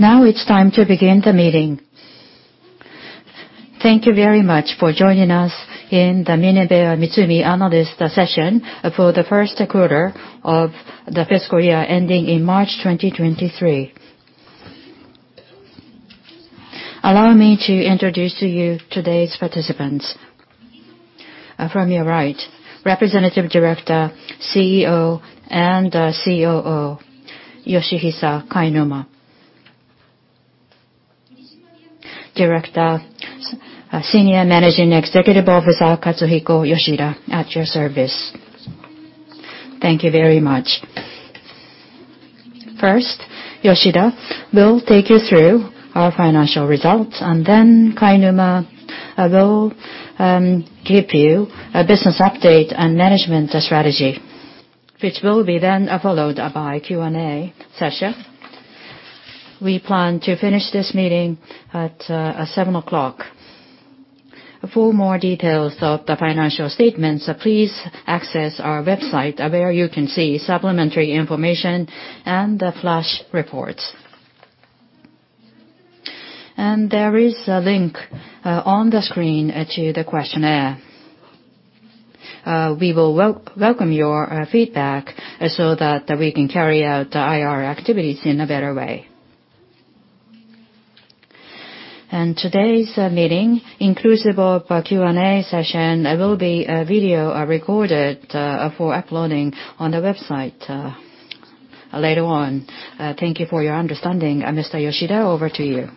Now it's time to begin the meeting. Thank you very much for joining us in the MinebeaMitsumi Analyst Session for the First Quarter of the Fiscal Year ending in March 2023. Allow me to introduce to you today's participants. From your right, Representative Director, Chairman, CEO, Yoshihisa Kainuma. Director, President, COO & CFO, Katsuhiko Yoshida, at your service. Thank you very much. First, Yoshida will take you through our financial results, and then Kainuma will give you a business update and management strategy, which will be then followed by Q&A session. We plan to finish this meeting at 7:00 P.M. For more details of the financial statements, please access our website where you can see supplementary information and the flash reports. There is a link on the screen to the questionnaire. We will welcome your feedback so that we can carry out IR activities in a better way. Today's meeting inclusive of a Q&A session will be video recorded for uploading on the website later on. Thank you for your understanding. Mr. Yoshida, over to you.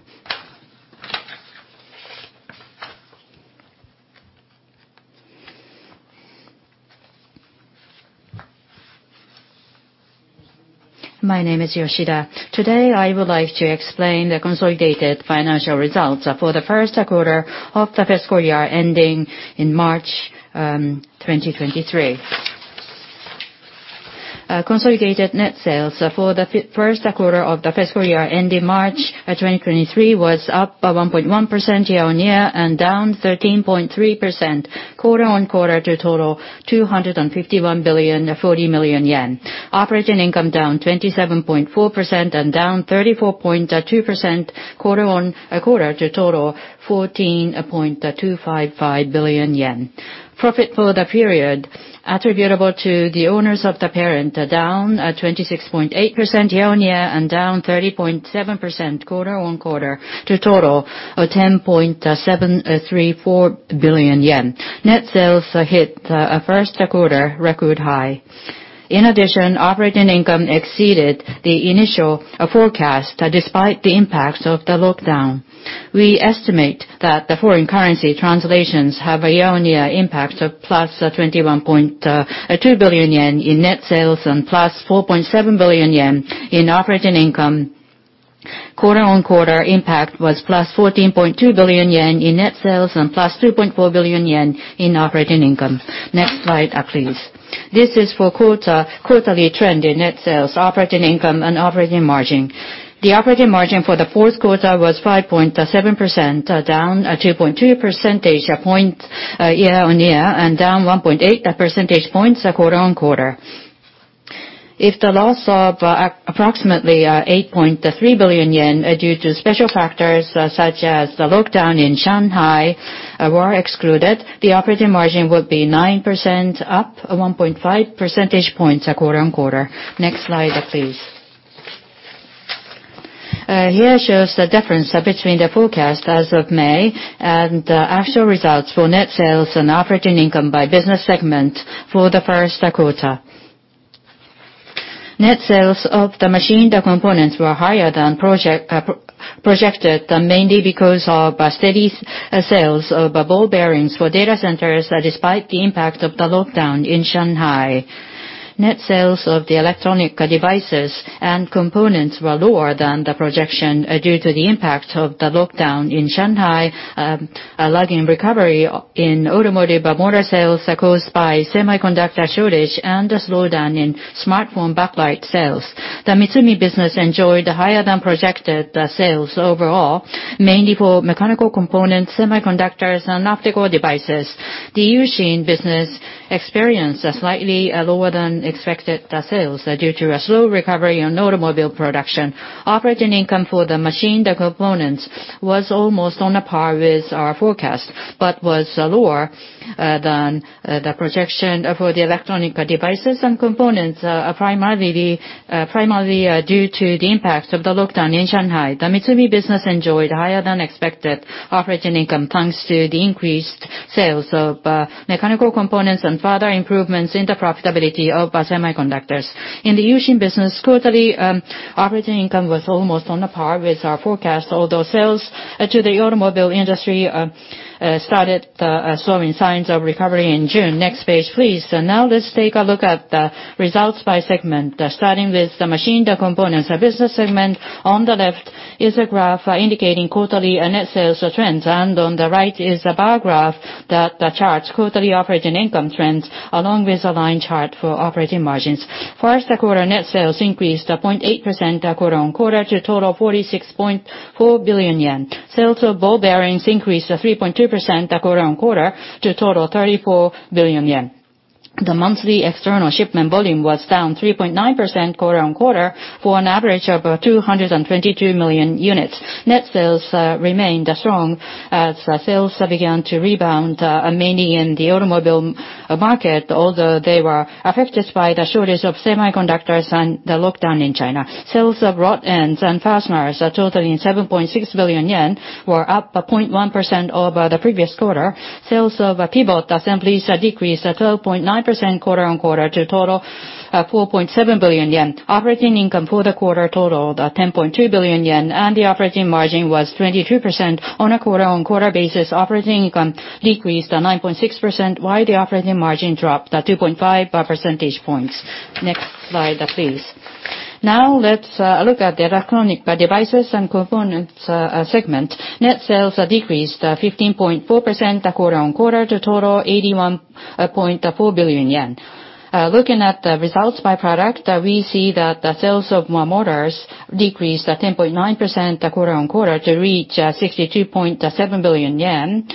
My name is Yoshida. Today, I would like to explain the consolidated financial results for the first quarter of the fiscal year ending in March 2023. Consolidated net sales for the first quarter of the fiscal year ending March 2023 was up by 1.1% year-on-year and down 13.3% quarter-on-quarter to total 251.04 billion. Operating income down 27.4% and down 34.2% quarter-on-quarter to total 14.255 billion yen. Profit for the period attributable to the owners of the parent down 26.8% year-on-year and down 30.7% quarter-on-quarter to total 10.734 billion yen. Net sales hit a first quarter record high. In addition, operating income exceeded the initial forecast despite the impacts of the lockdown. We estimate that the foreign currency translations have a year-on-year impact of +21.2 billion yen in net sales and +4.7 billion yen in operating income. Quarter-on-quarter impact was +14.2 billion yen in net sales and +3.4 billion yen in operating income. Next slide, please. This is quarterly trend in net sales, operating income, and operating margin. The operating margin for the fourth quarter was 5.7%, down 2.2 percentage points year-on-year and down 1.8 percentage points quarter-on-quarter. If the loss of approximately 8.3 billion yen due to special factors such as the lockdown in Shanghai were excluded, the operating margin would be 9% up 1.5 percentage points quarter-on-quarter. Next slide, please. Here shows the difference between the forecast as of May and the actual results for net sales and operating income by business segment for the first quarter. Net sales of the mechanical components were higher than projected, mainly because of steady sales of ball bearings for data centers despite the impact of the lockdown in Shanghai. Net sales of the electronic devices and components were lower than the projection due to the impact of the lockdown in Shanghai, a lagging recovery in automotive motor sales caused by semiconductor shortage and a slowdown in smartphone backlight sales. The Mitsumi business enjoyed higher than projected sales overall, mainly for mechanical components, semiconductors, and optical devices. The U-Shin business experienced a slightly lower than expected sales due to a slow recovery in automobile production. Operating income for the mechanical components was almost on par with our forecast, but was lower than the projection for the electronic devices and components, primarily due to the impacts of the lockdown in Shanghai. The Mitsumi business enjoyed higher than expected operating income thanks to the increased sales of mechanical components and further improvements in the profitability of semiconductors. In the U-Shin business, quarterly operating income was almost on par with our forecast, although sales to the automobile industry started showing signs of recovery in June. Next page, please. Now let's take a look at the results by segment, starting with the mechanical components business segment. On the left is a graph indicating quarterly net sales trends, and on the right is a bar graph that charts quarterly operating income trends, along with a line chart for operating margins. First quarter net sales increased 0.8% quarter-on-quarter to a total of 46.4 billion yen. Sales of ball bearings increased 3.2% quarter-on-quarter to a total of 34 billion yen. The monthly external shipment volume was down 3.9% quarter-on-quarter for an average of 222 million units. Net sales remained strong as sales began to rebound mainly in the automobile market, although they were affected by the shortage of semiconductors and the lockdown in China. Sales of rod-ends and fasteners are totaling 7.6 billion yen, were up by 0.1% over the previous quarter. Sales of pivot assemblies are decreased by 12.9% quarter-on-quarter to a total of 4.7 billion yen. Operating income for the quarter totaled 10.2 billion yen, and the operating margin was 22%. On a quarter-on-quarter basis, operating income decreased to 9.6%, while the operating margin dropped to 2.5 percentage points. Next slide, please. Now let's look at the electronic devices and components segment. Net sales decreased 15.4% quarter-on-quarter to total 81.4 billion yen. Looking at the results by product, we see that the sales of motors decreased 10.9% quarter-on-quarter to reach 62.7 billion yen.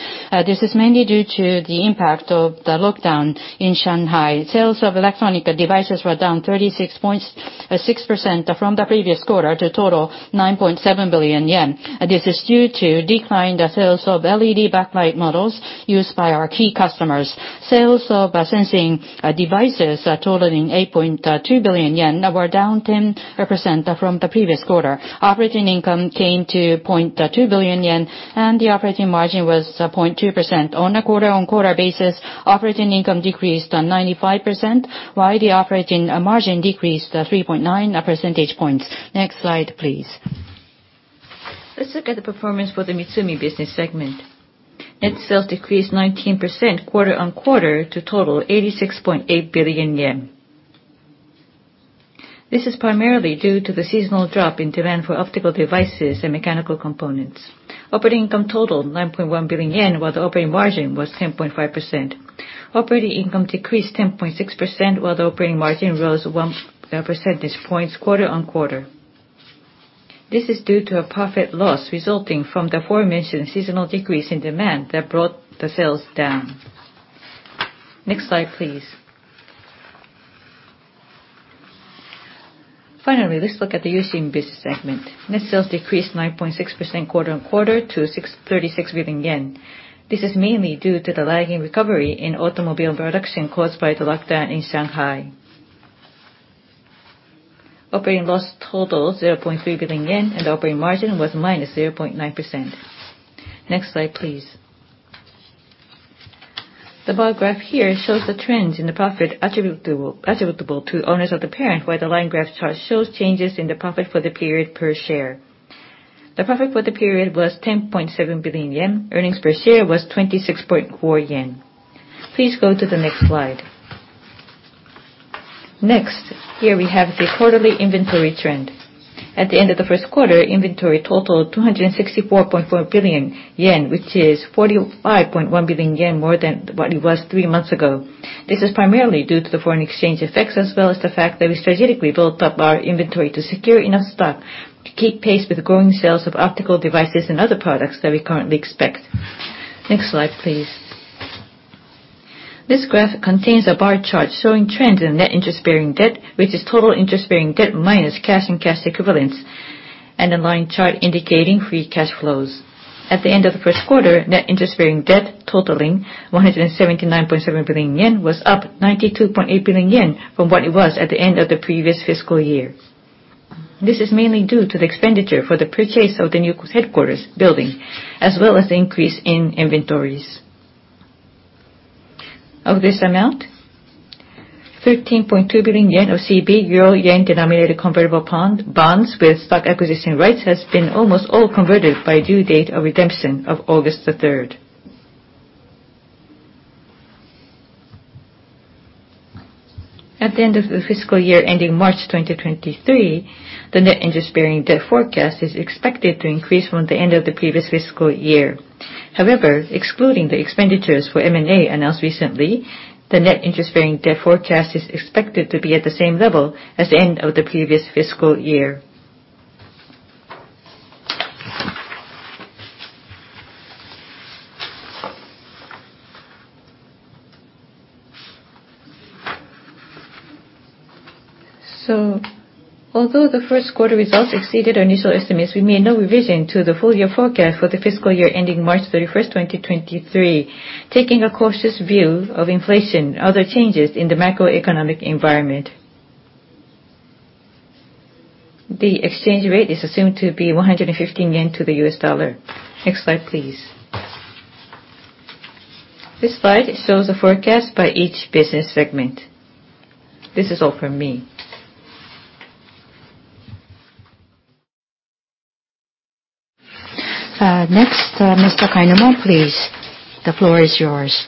This is mainly due to the impact of the lockdown in Shanghai. Sales of electronic devices were down 36.6% from the previous quarter to a total 9.7 billion yen. This is due to the decline in sales of LED backlight models used by our key customers. Sales of sensing devices are totaling 8.2 billion yen, now we're down 10% from the previous quarter. Operating income came to 0.2 billion yen, and the operating margin was 0.2%. On a quarter-on-quarter basis, operating income decreased to 95%, while the operating margin decreased to 3.9 percentage points. Next slide, please. Let's look at the performance for the Mitsumi business segment. Net sales decreased 19% quarter-on-quarter to total 86.8 billion yen. This is primarily due to the seasonal drop in demand for optical devices and mechanical components. Operating income totaled 9.1 billion yen, while the operating margin was 10.5%. Operating income decreased 10.6%, while the operating margin rose 1 percentage point quarter-on-quarter. This is due to a profit loss resulting from the aforementioned seasonal decrease in demand that brought the sales down. Next slide, please. Finally, let's look at the U-Shin business segment. Net sales decreased 9.6% quarter-on-quarter to 636 billion yen. This is mainly due to the lagging recovery in automobile production caused by the lockdown in Shanghai. Operating loss totals 0.3 billion yen, and operating margin was -0.9%. Next slide, please. The bar graph here shows the trends in the profit attributable to owners of the parent, while the line graph chart shows changes in the profit for the period per share. The profit for the period was 10.7 billion yen. Earnings per share was 26.4 yen. Please go to the next slide. Next, here we have the quarterly inventory trend. At the end of the first quarter, inventory totaled 264.4 billion yen, which is 45.1 billion yen more than what it was three months ago. This is primarily due to the foreign exchange effects, as well as the fact that we strategically built up our inventory to secure enough stock to keep pace with growing sales of optical devices and other products that we currently expect. Next slide, please. This graph contains a bar chart showing trends in net interest-bearing debt, which is total interest-bearing debt minus cash and cash equivalents, and a line chart indicating free cash flows. At the end of the first quarter, net interest-bearing debt totaling 179.7 billion yen was up 92.8 billion yen from what it was at the end of the previous fiscal year. This is mainly due to the expenditure for the purchase of the new headquarters building, as well as the increase in inventories. Of this amount, 13.2 billion yen of CB euro-yen-denominated convertible bonds with stock acquisition rights has been almost all converted by the due date of redemption of August 3rd. At the end of the fiscal year ending March 2023, the net interest-bearing debt forecast is expected to increase from the end of the previous fiscal year. However, excluding the expenditures for M&A announced recently, the net interest-bearing debt forecast is expected to be at the same level as the end of the previous fiscal year. Although the first quarter results exceeded our initial estimates, we made no revision to the full year forecast for the fiscal year ending March 31st, 2023, taking a cautious view of inflation and other changes in the macroeconomic environment. The exchange rate is assumed to be 115 yen to the U.S. dollar. Next slide, please. This slide shows the forecast by each business segment. This is all for me. Next, Mr. Kainuma, please. The floor is yours.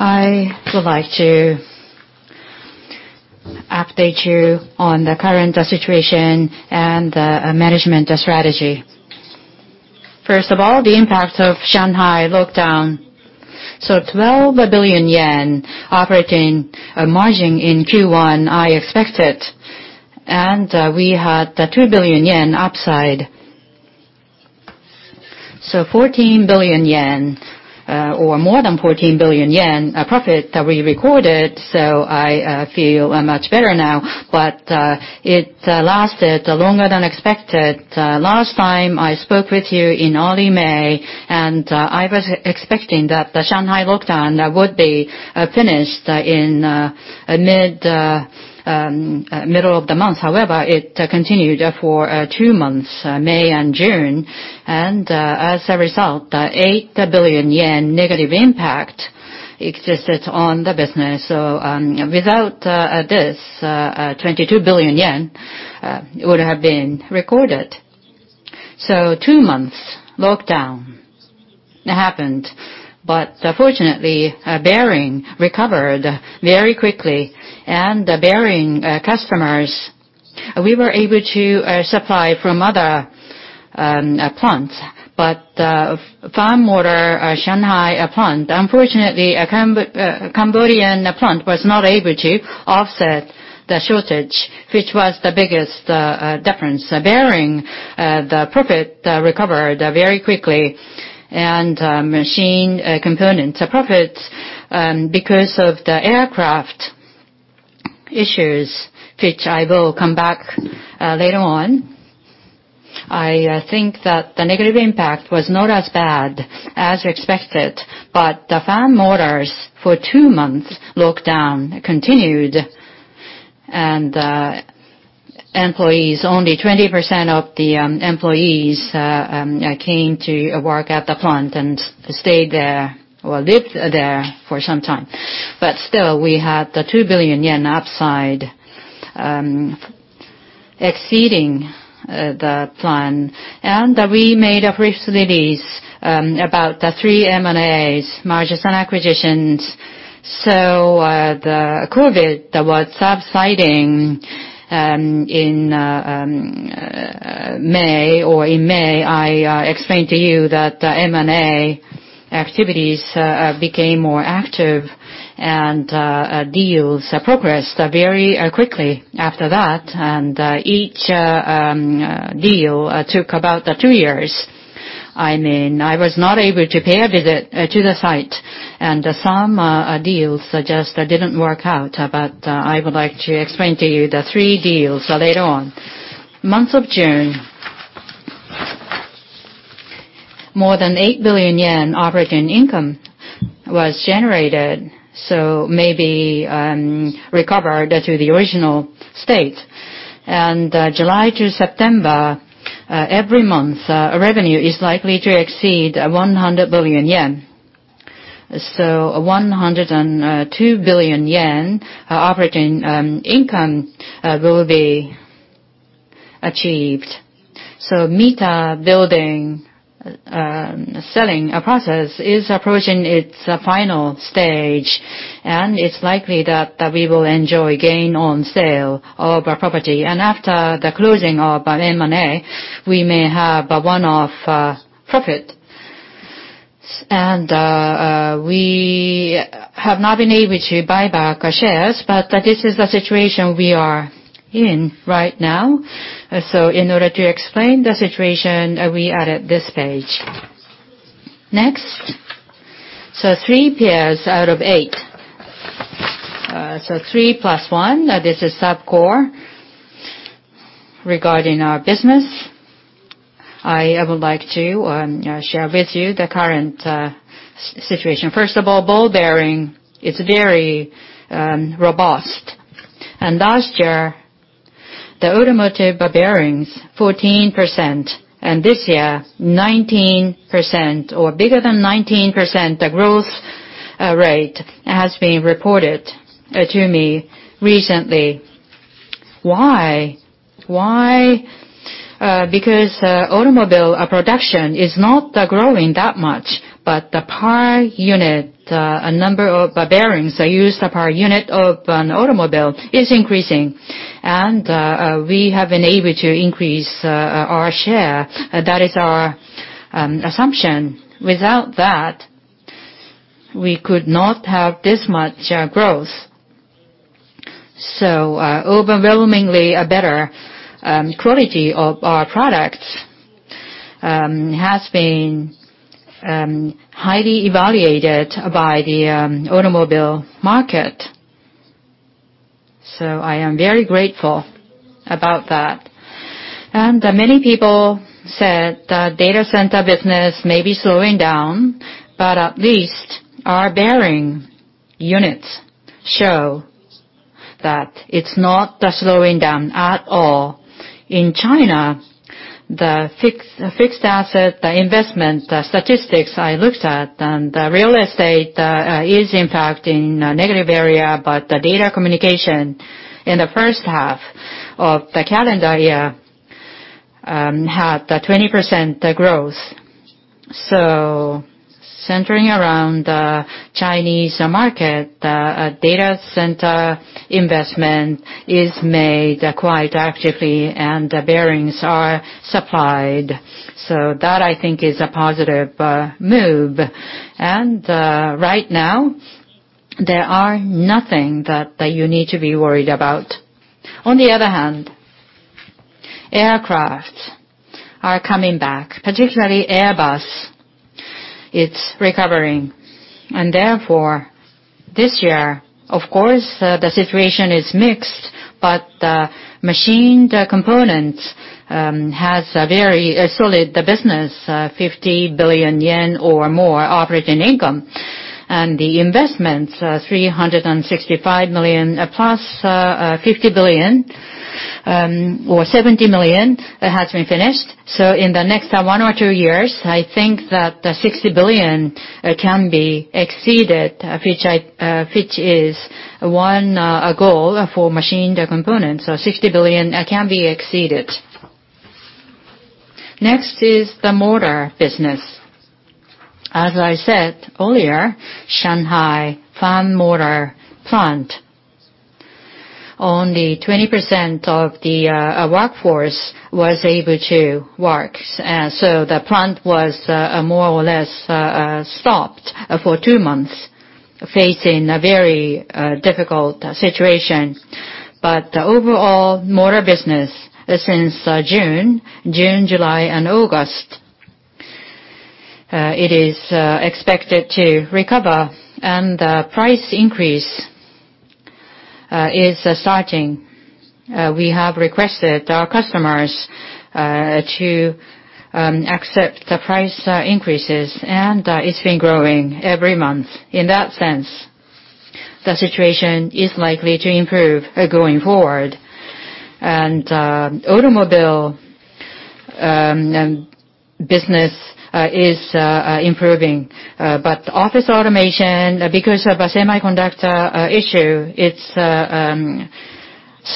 I would like to update you on the current situation and the management strategy. First of all, the impact of Shanghai lockdown. 12 billion yen operating margin in Q1, I expect it. We had 2 billion yen upside. 14 billion yen or more than 14 billion yen profit that we recorded, so I feel much better now. It lasted longer than expected. Last time I spoke with you in early May, and I was expecting that the Shanghai lockdown would be finished in middle of the month. However, it continued for two months, May and June. As a result, 8 billion yen negative impact existed on the business. Without this, 22 billion yen would have been recorded. Two months lockdown happened. Fortunately, bearing recovered very quickly. The bearing customers we were able to supply from other plants. The fan motor Shanghai plant, unfortunately, a Cambodian plant was not able to offset the shortage, which was the biggest difference. The bearing profit recovered very quickly. The mechanical components profits because of the aircraft issues, which I will come back to later on. I think that the negative impact was not as bad as expected. The fan motors for two-month lockdown continued, and only 20% of the employees came to work at the plant and stayed there or lived there for some time. Still, we had the 2 billion yen upside exceeding the plan. We made recently about the three M&As, mergers and acquisitions. The COVID that was subsiding in May, I explained to you that the M&A activities became more active and deals progressed very quickly after that. Each deal took about two years. I mean, I was not able to pay a visit to the site, and some deals just didn't work out. I would like to explain to you the three deals later on. Month of June, more than 8 billion yen operating income was generated, so maybe recovered to the original state. July to September, every month, revenue is likely to exceed 100 billion yen. So, 102 billion yen operating income will be achieved. Mita Building selling process is approaching its final stage, and it's likely that we will enjoy gain on sale of our property. After the closing of an M&A, we may have a one-off profit. We have not been able to buy back our shares, but this is the situation we are in right now. In order to explain the situation, we added this page. Next. Three spears out of eight. Three plus one, this is sub-core. Regarding our business, I would like to share with you the current situation. First of all, ball bearing is very robust. Last year, the automotive bearings 14%, and this year 19% or bigger than 19% growth rate has been reported to me recently. Why? Why? Because automobile production is not growing that much, but the per unit number of bearings used per unit of an automobile is increasing. We have been able to increase our share. That is our assumption. Without that, we could not have this much growth. Overwhelmingly a better quality of our products has been highly evaluated by the automobile market. I am very grateful about that. Many people said the data center business may be slowing down, but at least our bearing units show that it's not slowing down at all. In China, the fixed asset investment statistics I looked at, and the real estate is impacting a negative area, but the data communication in the first half of the calendar year had a 20% growth. Centering around the Chinese market, data center investment is made quite actively, and the bearings are supplied. That I think is a positive move. Right now, there is nothing that you need to be worried about. On the other hand, aircraft are coming back. Particularly Airbus, it's recovering. Therefore, this year, of course, the situation is mixed, but the mechanical components has a very solid business, 50 billion yen or more operating income. The investments, 365 million, plus, 50 billion, or 70 million that has been finished. In the next one or two years, I think that the 60 billion can be exceeded, which is one goal for mechanical components. 60 billion can be exceeded. Next is the motor business. As I said earlier, Shanghai fan motor plant, only 20% of the workforce was able to work. The plant was more or less stopped for two months, facing a very difficult situation. The overall motor business since June, July, and August, it is expected to recover, and the price increase is starting. We have requested our customers to accept the price increases, and it's been growing every month. In that sense, the situation is likely to improve going forward. Automobile business is improving. Office automation, because of a semiconductor issue, it's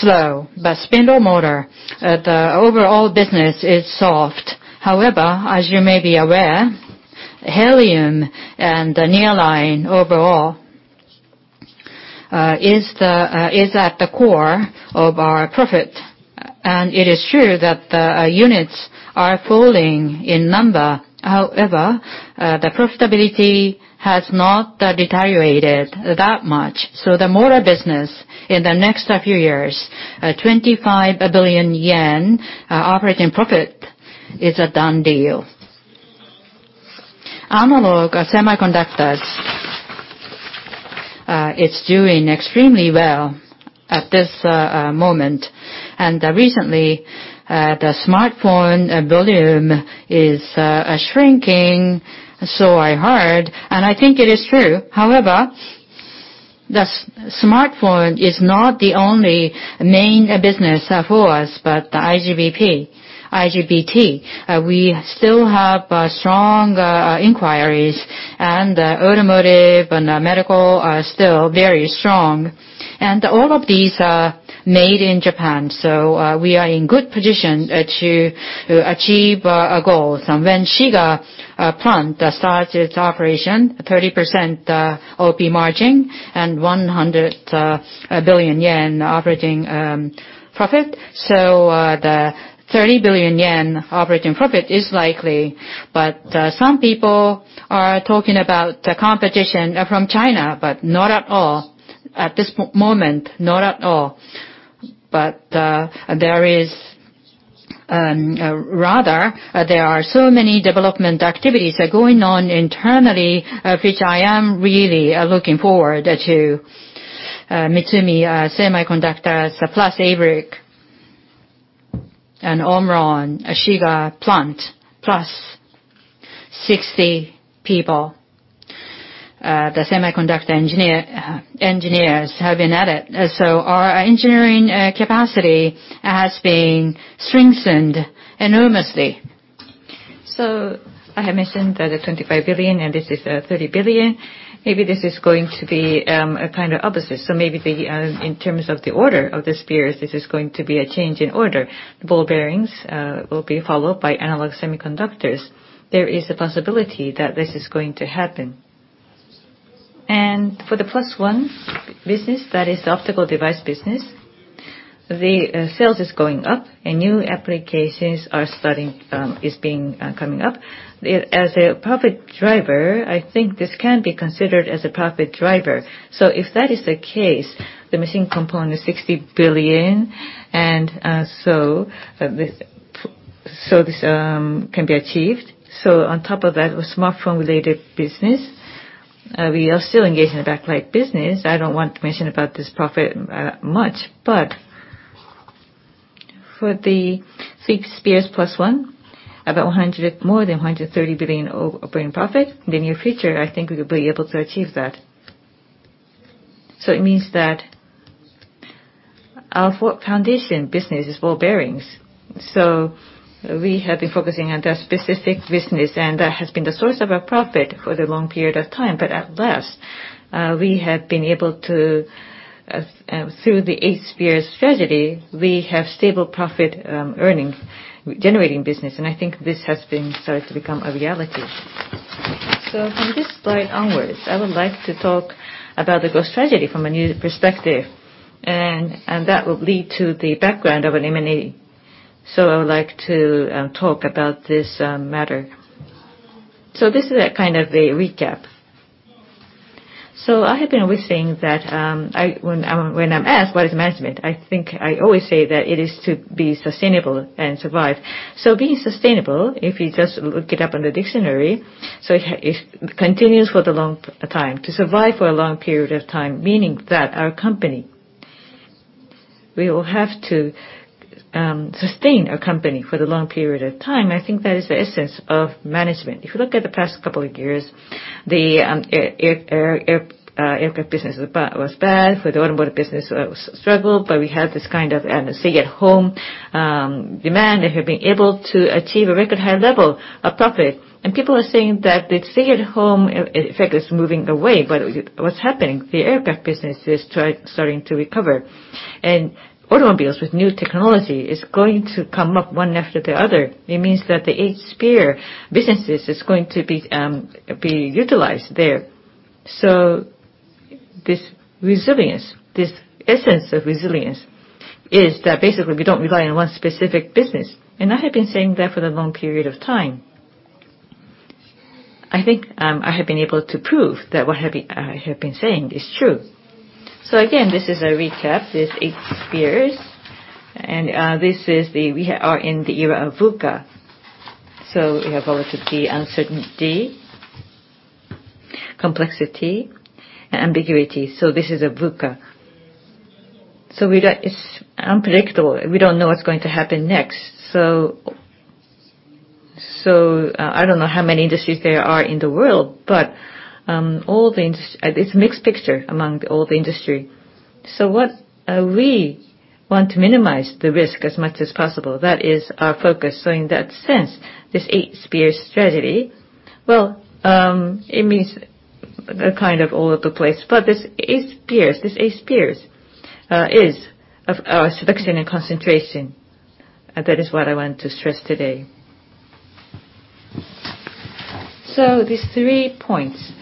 slow. Spindle motor, the overall business is soft. However, as you may be aware, helium and the nearline overall is at the core of our profit. It is true that the units are falling in number. However, the profitability has not deteriorated that much. The motor business in the next few years, 25 billion yen operating profit is a done deal. Analog semiconductors, it's doing extremely well at this moment. Recently, the smartphone volume is shrinking, so I heard, and I think it is true. However, the smartphone is not the only main business for us, but the IGBT we still have strong inquiries, and automotive and medical are still very strong. All of these are made in Japan, so we are in good position to achieve our goals. When Shiga plant starts its operation, 30% OP margin and 100 billion yen operating profit. The 30 billion yen operating profit is likely, but some people are talking about the competition from China, but not at all at this moment. There are so many development activities that are going on internally, which I am really looking forward to. Mitsumi Semiconductor + ABLIC and Omron Shiga plant +60 people, the semiconductor engineers have been at it. Our engineering capacity has been strengthened enormously. I have mentioned the 25 billion, and this is 30 billion. Maybe this is going to be a kind of opposite. Maybe in terms of the order of the Eight Spears, this is going to be a change in order. The ball bearings will be followed by analog semiconductors. There is a possibility that this is going to happen. For the plus one business, that is the optical device business, the sales is going up, and new applications are starting, coming up. As a profit driver, I think this can be considered as a profit driver. If that is the case, the mechanical components is 60 billion, and this can be achieved. On top of that, smartphone-related business, we are still engaged in the backlight business. I don't want to mention about this profit much. For the Eight Spears plus one, more than 130 billion operating profit. In the near future, I think we will be able to achieve that. It means that our foundation business is ball bearings. We have been focusing on the specific business, and that has been the source of our profit for the long period of time. At last, we have been able to, through the Eight Spears strategy, we have stable profit, earnings generating business. I think this has been started to become a reality. From this slide onwards, I would like to talk about the growth strategy from a new perspective, and that will lead to the background of an M&A. I would like to talk about this matter. This is a kind of a recap. I have been always saying that, when I'm asked what is management, I think I always say that it is to be sustainable and survive. Being sustainable, if you just look it up in the dictionary, it continues for a long time. To survive for a long period of time, meaning that our company, we will have to sustain our company for a long period of time. I think that is the essence of management. If you look at the past couple of years, the aircraft business was bad, with the automobile business struggled, but we had this kind of stay at home demand that have been able to achieve a record high level of profit. People are saying that the stay at home effect is moving away, but what's happening, the aircraft business is starting to recover. Automobiles with new technology is going to come up one after the other. It means that the Eight Spears businesses is going to be utilized there. This resilience, this essence of resilience is that basically we don't rely on one specific business. I have been saying that for a long period of time. I think I have been able to prove that what I have been saying is true. This is a recap, this Eight Spears. This is the era of VUCA. We have volatility, uncertainty, complexity, and ambiguity. This is a VUCA. It's unpredictable. We don't know what's going to happen next. I don't know how many industries there are in the world, but it's a mixed picture among all the industries. What we want to minimize the risk as much as possible. That is our focus. In that sense, this Eight Spears strategy, it means kind of all over the place, but this Eight Spears is of our selection and concentration. That is what I want to stress today. These three points.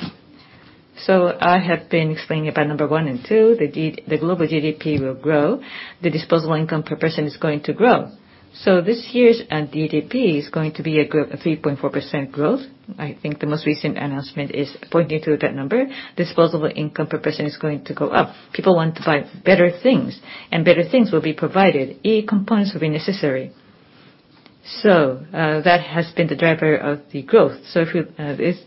I have been explaining about number one and two, the global GDP will grow. The disposable income per person is going to grow. This year's GDP is going to be a 3.4% growth. I think the most recent announcement is pointing to that number. Disposable income per person is going to go up. People want to buy better things, and better things will be provided. E-components will be necessary. That has been the driver of the growth. If you, this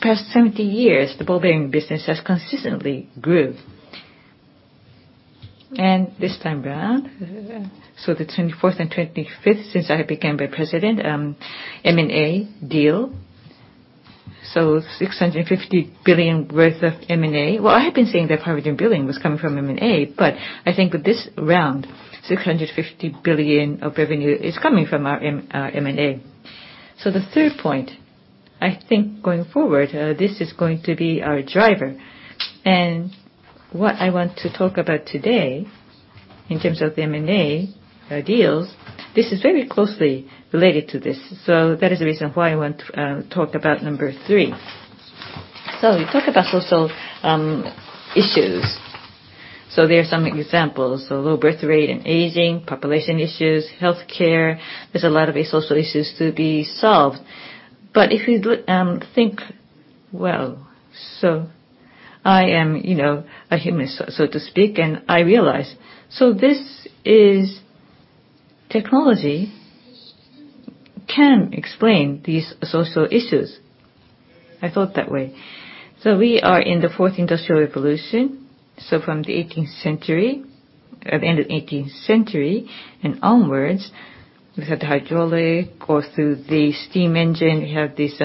past 70 years, the bearing business has consistently grew. This time around, the 24th and 25th since I became the president, M&A deal. 650 billion worth of M&A. Well, I have been saying that 500 billion was coming from M&A, but I think with this round, 650 billion of revenue is coming from our M&A. The third point, I think going forward, this is going to be our driver. What I want to talk about today in terms of the M&A deals, this is very closely related to this. That is the reason why I want to talk about number three. We talk about social issues. There are some examples. Low birth rate and aging population issues, healthcare. There's a lot of these social issues to be solved. If you look, well, I am, you know, a human, so to speak, and I realize. This is technology can explain these social issues. I thought that way. We are in the fourth industrial revolution. From the eighteenth century, at the end of eighteenth century and onwards, we've had the hydraulic going through the steam engine, we have this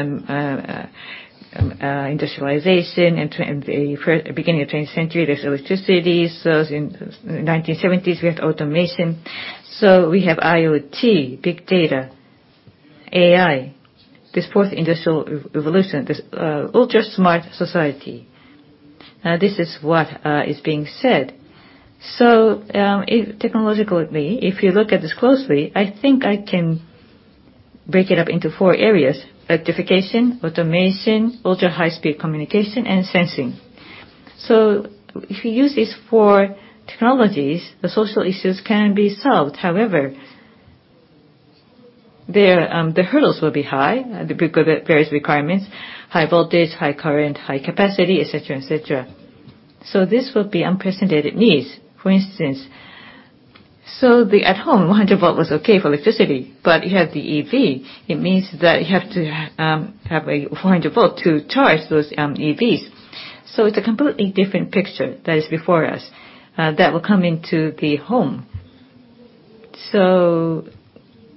industrialization, and the beginning of twentieth century, there's electricity. In 1970s, we had automation. We have IoT, big data, AI, this fourth industrial revolution, this ultra-smart society. This is what is being said. Technologically, if you look at this closely, I think I can break it up into four areas, electrification, automation, ultra-high speed communication, and sensing. If you use these four technologies, the social issues can be solved. However, the hurdles will be high, because of various requirements, high voltage, high current, high capacity, et cetera, et cetera. This will be unprecedented needs. For instance, the at-home 100 V was okay for electricity, but you have the EV. It means that you have to have a 100 V to charge those EVs. It's a completely different picture that is before us, that will come into the home.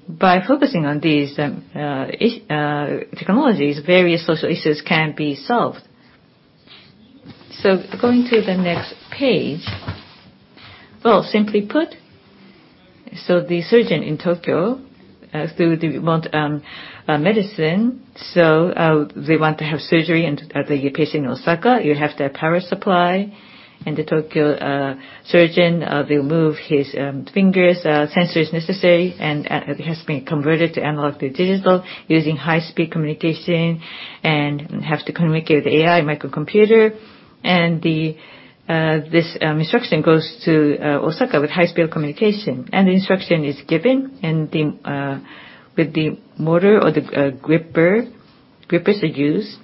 By focusing on these technologies, various social issues can be solved. Going to the next page. Well, simply put, the surgeon in Tokyo, they want medicine, they want to have surgery and the patient in Osaka, you have the power supply. The Tokyo surgeon will move his finger sensors necessary and it has been converted to analog to digital using high-speed communication and have to communicate with AI microcomputer. This instruction goes to Osaka with high-speed communication. The instruction is given with the motor or the gripper; grippers are used.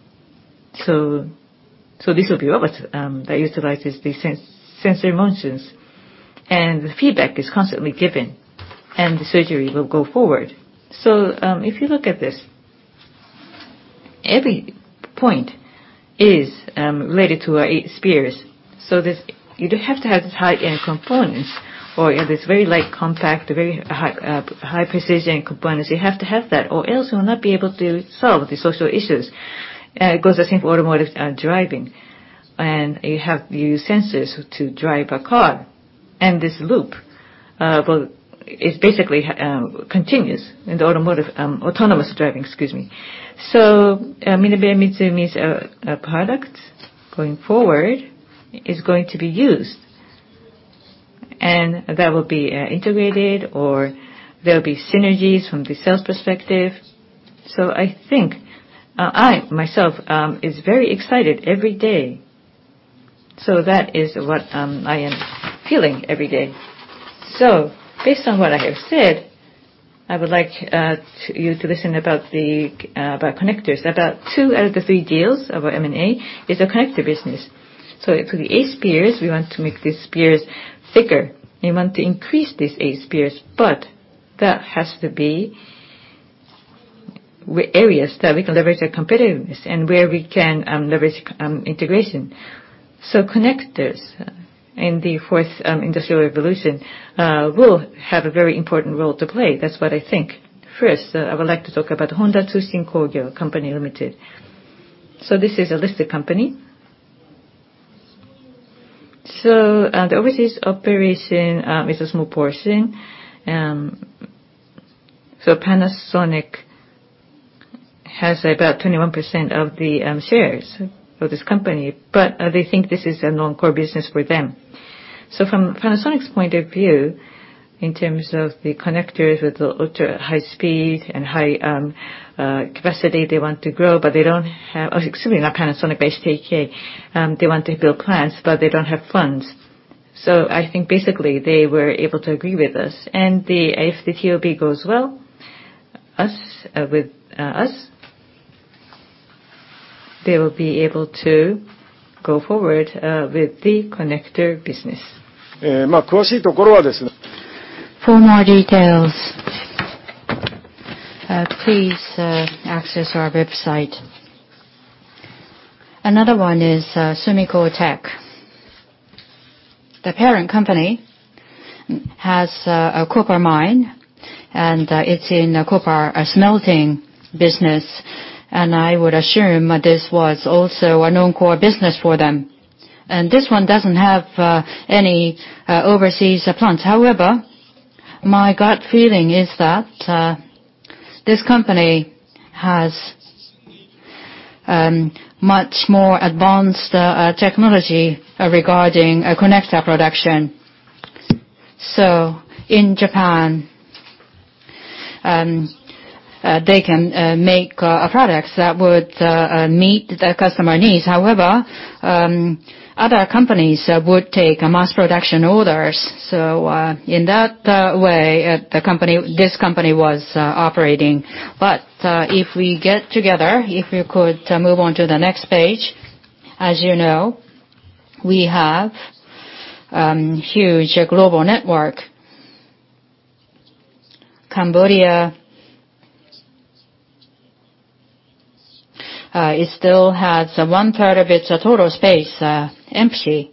This will be robot that utilizes the sensor motions. The feedback is constantly given, and the surgery will go forward. If you look at this, every point is related to our Eight Spears. This, you don't have to have this high-end components or this very light compact, very high precision components. You have to have that or else you'll not be able to solve the social issues. Goes the same for automotive driving. You have to use sensors to drive a car. This loop is basically continuous in the automotive autonomous driving, excuse me. Mitsumi's product going forward is going to be used, and that will be integrated or there'll be synergies from the sales perspective. I think I myself is very excited every day. That is what I am feeling every day. Based on what I have said, I would like you to listen about connectors. About two out of the three deals of our M&A is a connector business. For the Eight Spears, we want to make these spears thicker. We want to increase these Eight Spears, but that has to be areas that we can leverage our competitiveness and where we can leverage integration. Connectors in the fourth industrial revolution will have a very important role to play. That's what I think. First, I would like to talk about Honda Tsushin Kogyo Co, Ltd. This is a listed company. The overseas operation is a small portion. Panasonic has about 21% of the shares of this company, but they think this is a non-core business for them. From Panasonic's point of view, in terms of the connectors with the ultra-high speed and high capacity, they want to grow, but they don't have. Excuse me, not Panasonic, but HTK. They want to build plants, but they don't have funds. I think basically they were able to agree with us. If the TOB goes well with us, they will be able to go forward with the connector business. For more details, please access our website. Another SUMIKO TEC. the parent company has a copper mine, and it's in a copper smelting business. I would assume this was also a non-core business for them. This one doesn't have any overseas plants. However, my gut feeling is that this company has much more advanced technology regarding connector production. In Japan, they can make products that would meet the customer needs. However, other companies would take mass production orders. In that way, this company was operating. If we get together, if you could move on to the next page, as you know, we have huge global network. Cambodia still has one-third of its total space empty.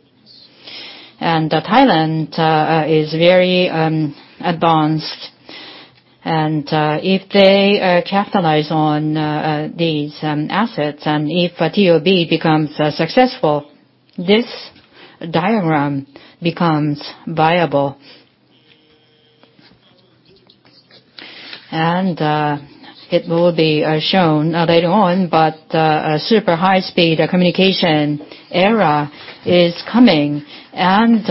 Thailand is very advanced. If they capitalize on these assets, and if a TOB becomes successful, this diagram becomes viable. It will be shown later on, but a super high-speed communication era is coming, and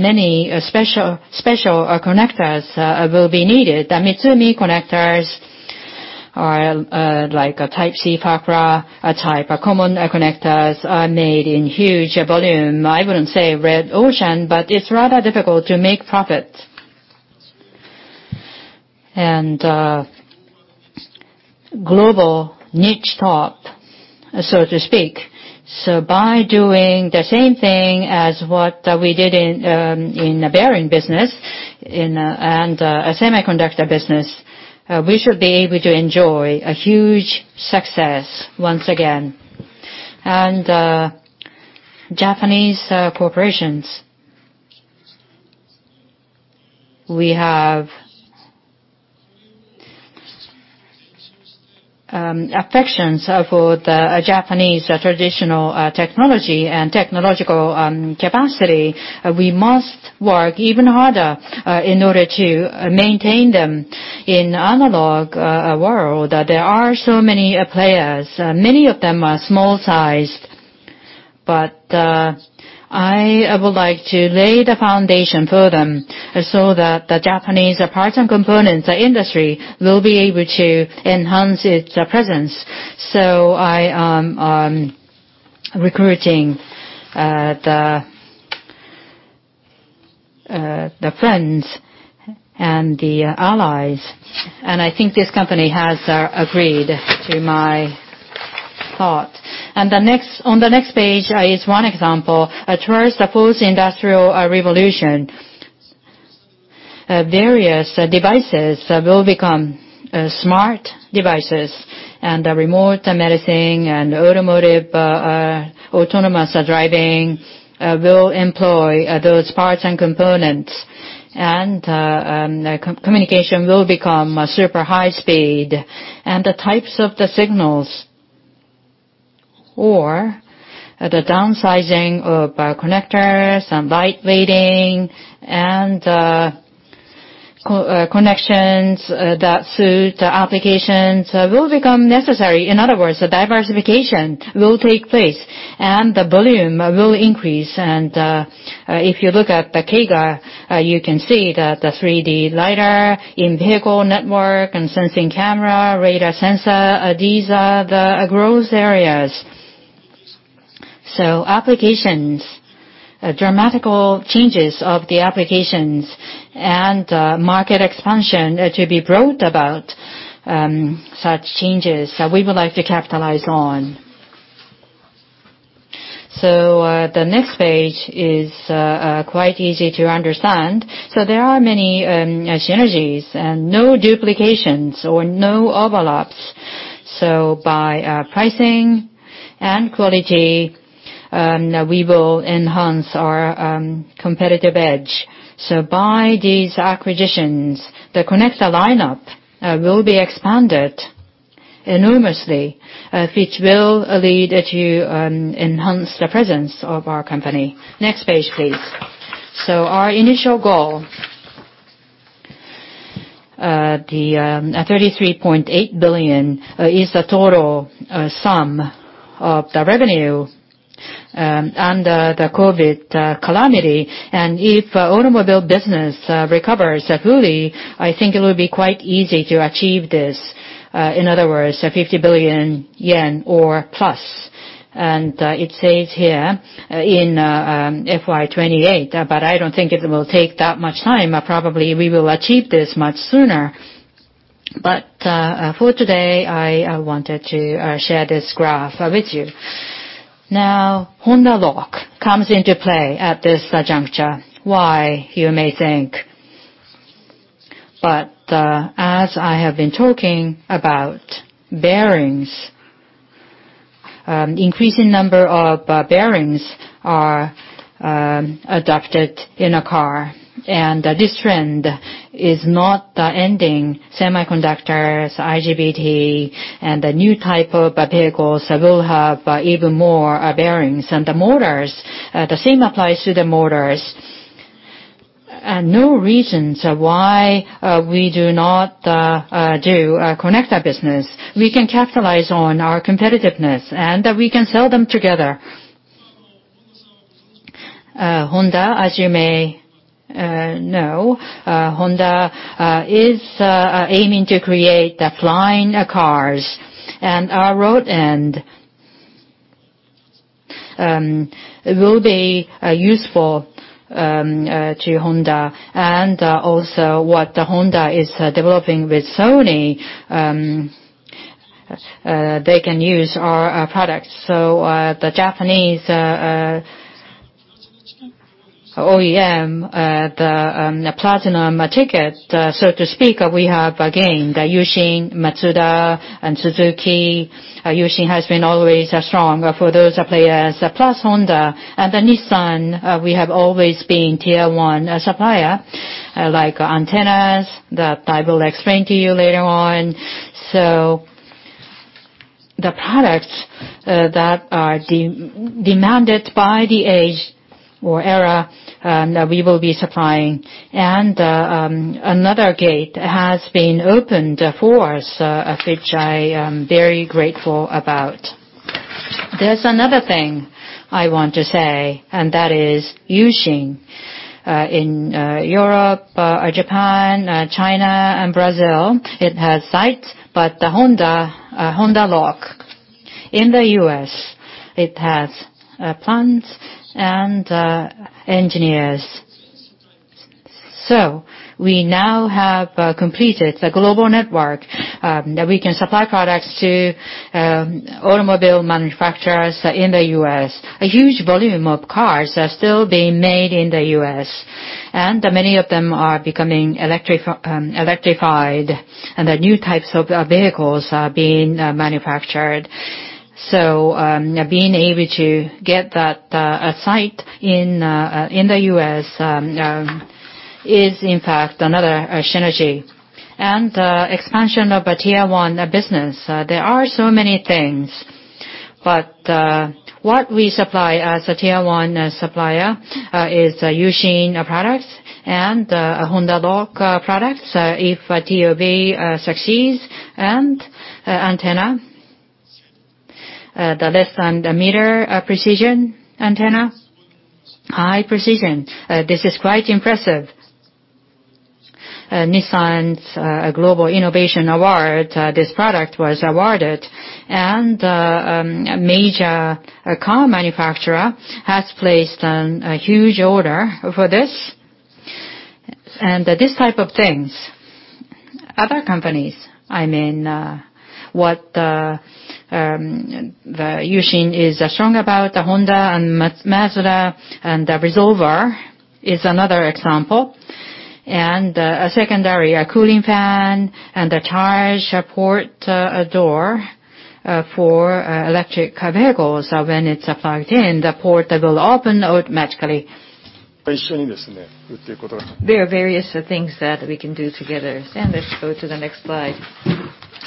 many special connectors will be needed. The Mitsumi connectors are like a Type-C, FAKRA type. Common connectors are made in huge volume. I wouldn't say red ocean, but it's rather difficult to make profit. Global niche top, so to speak. By doing the same thing as what we did in the bearing business and semiconductor business, we should be able to enjoy a huge success once again. Japanese corporations, we have, affection for the Japanese traditional technology and technological capacity, we must work even harder in order to maintain them. In analog world, there are so many players, many of them are small sized, but I would like to lay the foundation for them so that the Japanese parts and components industry will be able to enhance its presence. I am recruiting the friends and the allies, and I think this company has agreed to my thought. On the next page is one example. Towards the post-industrial revolution, various devices will become smart devices, and remote medicine and automotive autonomous driving will employ those parts and components. Communication will become super high speed. The types of the signals, or the downsizing of connectors and lightweighting and connections that suit applications will become necessary. In other words, diversification will take place, and the volume will increase. If you look at the CAGR, you can see that the 3D LiDAR, in-vehicle network, and sensing camera, radar sensor, these are the growth areas. Applications, dramatic changes of the applications and market expansion to be brought about, such changes, we would like to capitalize on. The next page is quite easy to understand. There are many synergies and no duplications or no overlaps. By pricing and quality, we will enhance our competitive edge. By these acquisitions, the connector lineup will be expanded enormously, which will lead to enhance the presence of our company. Next page, please. Our initial goal, the 33.8 billion is the total sum of the revenue under the COVID calamity. If automobile business recovers fully, I think it will be quite easy to achieve this. In other words, 50 billion yen or plus. It says here in FY 2028, but I don't think it will take that much time. Probably, we will achieve this much sooner. For today, I wanted to share this graph with you. Now, Honda Lock comes into play at this juncture. Why, you may think. As I have been talking about bearings, increasing number of bearings are adopted in a car, and this trend is not ending. Semiconductors, IGBT, and the new type of vehicles will have even more bearings. The motors, the same applies to the motors. No reasons why we do not do a connector business. We can capitalize on our competitiveness, and we can sell them together. Honda, as you may know, is aiming to create flying cars. Our rod-ends will be useful to Honda, and also what Honda is developing with Sony, they can use our products. The Japanese OEM, the platinum ticket, so to speak, we have again, the U-Shin, Mazda, and Suzuki. U-Shin has been always strong for those players, plus Honda and Nissan, we have always been Tier 1 supplier, like antennas that I will explain to you later on. The products that are demanded by the age or era, we will be supplying. Another gate has been opened for us, which I am very grateful about. There's another thing I want to say, and that is U-Shin. In Europe, Japan, China, and Brazil, it has sites, but Honda Lock in the U.S. has plants and engineers. We now have completed the global network that we can supply products to automobile manufacturers in the U.S. A huge volume of cars are still being made in the U.S., and many of them are becoming electrified, and the new types of vehicles are being manufactured. Being able to get that site in the U.S., is in fact another synergy and expansion of a Tier 1 business. There are so many things, but what we supply as a Tier 1 supplier is U-Shin products and Honda Lock products. If TOB succeeds and the antenna, the sub-meter precision antenna, high precision. This is quite impressive. Nissan's Global Innovation Award, this product was awarded, and a major car manufacturer has placed a huge order for this and these types of things. Other companies, I mean, what the U-Shin is strong about the Honda and Mazda, and the resolver is another example. A secondary cooling fan and a charge port door for electric vehicles. When it's plugged in, the port will open automatically. There are various things that we can do together. Let's go to the next slide.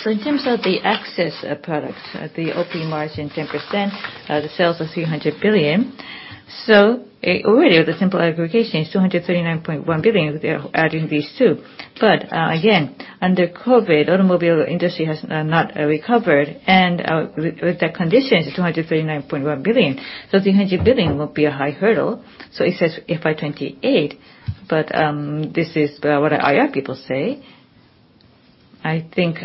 In terms of the access products, the OP margin 10%, the sales are 300 billion. Already the simple aggregation is 239.1 billion, adding these two. Under COVID, automobile industry has not recovered. With the conditions, 239.1 billion. 300 billion will be a high hurdle. It says FY 2028, but this is what IR people say. I think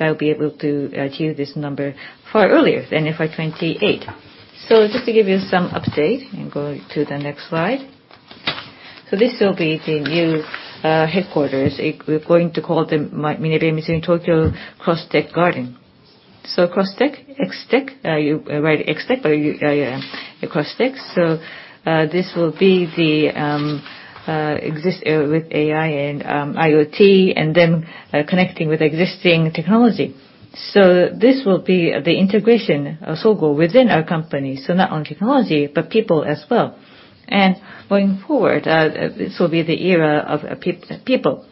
I'll be able to achieve this number far earlier than FY 2028. Just to give you some update and go to the next slide. This will be the new headquarters. We're going to call them MinebeaMitsumi Tokyo X Tech Garden. X Tech. You write X Tech or Cross Tech. This will be the X Tech with AI and IoT, and then connecting with existing technology. This will be the integration of Sogo within our company. Not only technology, but people as well. Going forward, this will be the era of people.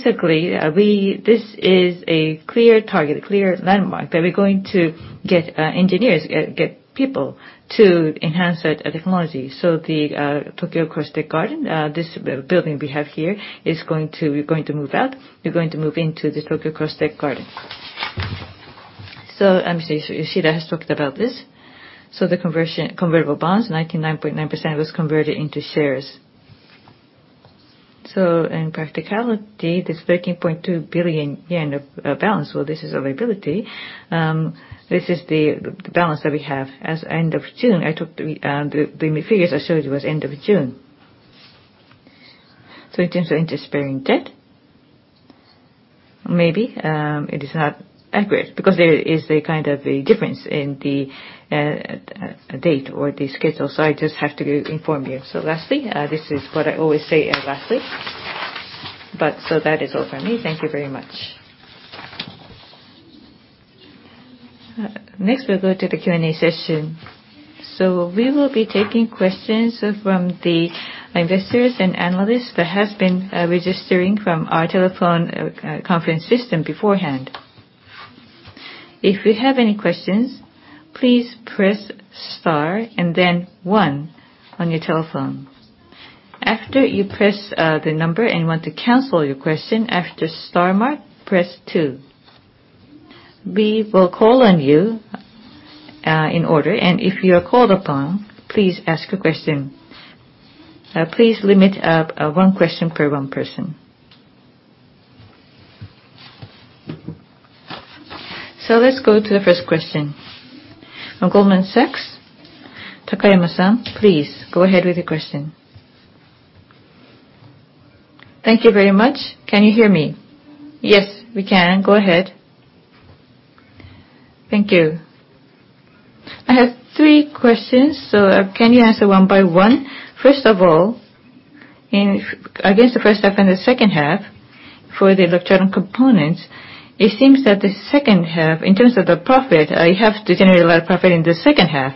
This is a clear target, clear landmark, that we're going to get engineers, get people to enhance that technology. The Tokyo X Tech Garden, this building we have here is going to move out. We're going to move into the Tokyo X Tech Garden. Obviously, Yoshida has talked about this. Convertible bonds, 99.9% was converted into shares. In practicality, this 13.2 billion yen balance, this is our liability. This is the balance that we have as of end of June. I took the figures I showed you was end of June. In terms of interest-bearing debt, maybe it is not accurate because there is a kind of a difference in the date or the schedule. I just have to inform you. Lastly, this is what I always say as lastly, but that is all from me. Thank you very much. Next, we'll go to the Q&A session. We will be taking questions from the investors and analysts that have been registering from our telephone conference system beforehand. If you have any questions, please press star and then one on your telephone. After you press the number and want to cancel your question after star mark, press two. We will call on you in order, and if you are called upon, please ask a question. Please limit one question per one person. Let's go to the first question. Goldman Sachs, Takayama-san, please go ahead with your question. Thank you very much. Can you hear me? Yes, we can. Go ahead. Thank you. I have three questions. Can you answer one by one? First of all, against the first half and the second half for the electronic components, it seems that the second half, in terms of the profit, you have to generate a lot of profit in the second half.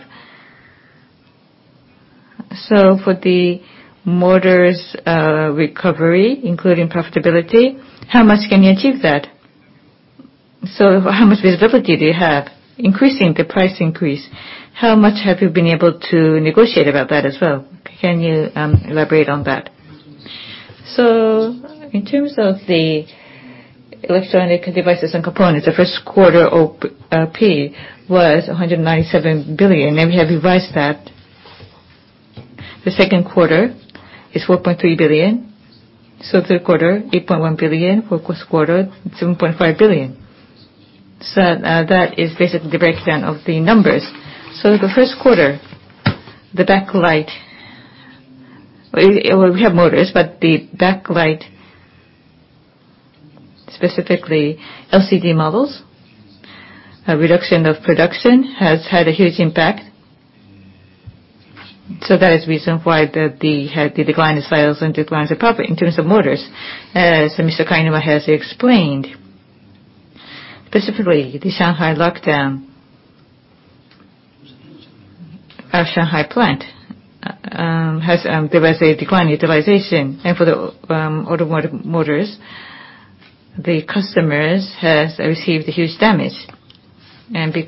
For the motors, recovery, including profitability, how much can you achieve that? How much visibility do you have? Increasing the price increase, how much have you been able to negotiate about that as well? Can you elaborate on that? In terms of the electronic devices and components, the first quarter OP was 197 billion, and we have revised that. The second quarter is 4.3 billion. Third quarter, 8.1 billion. Fourth quarter, 7.5 billion. That is basically the breakdown of the numbers. The first quarter, the backlight, we have motors, but the backlight, specifically LCD models, a reduction of production has had a huge impact. That is the reason why the decline in sales and decline in profit in terms of motors, as Mr. Kainuma has explained. Specifically, the Shanghai lockdown. Our Shanghai plant has had a decline in utilization. For the auto motors, the customers have received a huge damage. There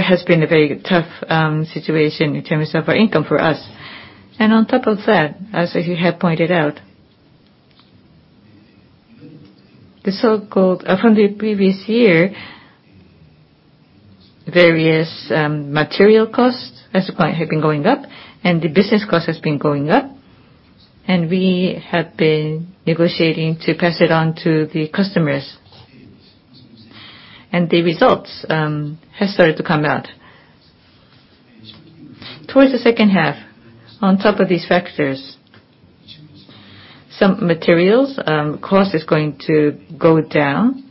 has been a very tough situation in terms of our income for us. On top of that, as you have pointed out, from the previous year, various material costs have been going up, and the business cost has been going up. We have been negotiating to pass it on to the customers. The results has started to come out. Towards the second half, on top of these factors, some materials cost is going to go down.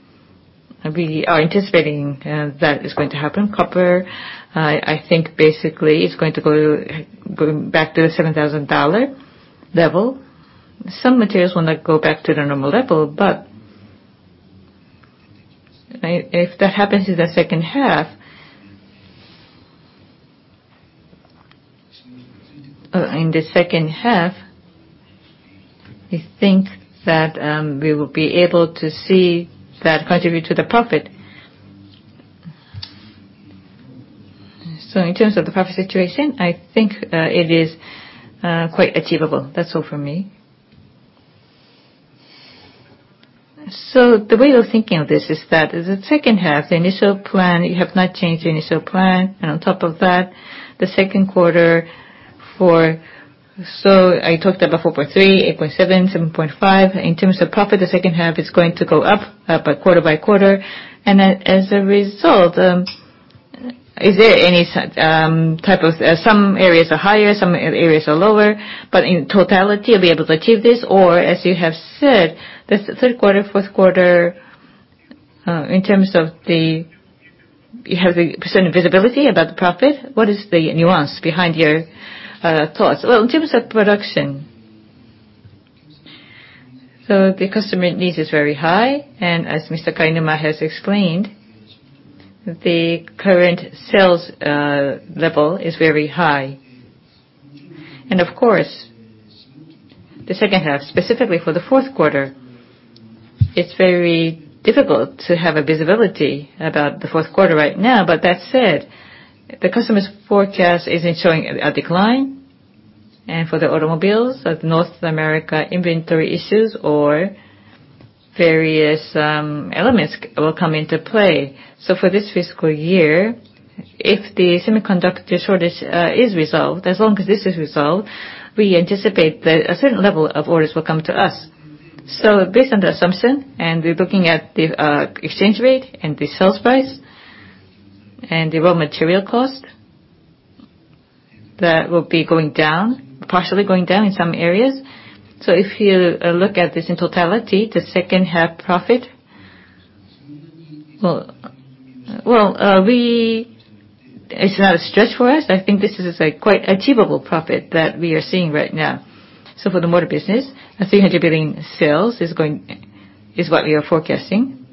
We are anticipating that is going to happen. Copper, I think basically is going to go back to the $7,000 level. Some materials will not go back to their normal level, but if that happens in the second half, I think that we will be able to see that contribute to the profit. In terms of the profit situation, I think it is quite achievable. That's all for me. The way of thinking of this is that in the second half, the initial plan, you have not changed the initial plan. On top of that, the second quarter I talked about 4.3%, 8.7%, 7.5%. In terms of profit, the second half is going to go up by quarter by quarter. As a result, is there any type of some areas are higher, some areas are lower, but in totality you'll be able to achieve this? As you have said, the third quarter, fourth quarter. You have a certain visibility about the profit. What is the nuance behind your thoughts? Well, in terms of production. The customer needs is very high. As Mr. Kainuma has explained, the current sales level is very high. Of course, the second half, specifically for the fourth quarter, it's very difficult to have a visibility about the fourth quarter right now. That said, the customer's forecast isn't showing a decline. For the automobiles, the North America inventory issues or various elements will come into play. For this fiscal year, if the semiconductor shortage is resolved, as long as this is resolved, we anticipate that a certain level of orders will come to us. Based on the assumption, and we're looking at the exchange rate and the sales price and the raw material cost, that will be going down, partially going down in some areas. If you look at this in totality, the second half profit. It's not a stretch for us. I think this is a quite achievable profit that we are seeing right now. For the motor business, 300 billion sales is what we are forecasting.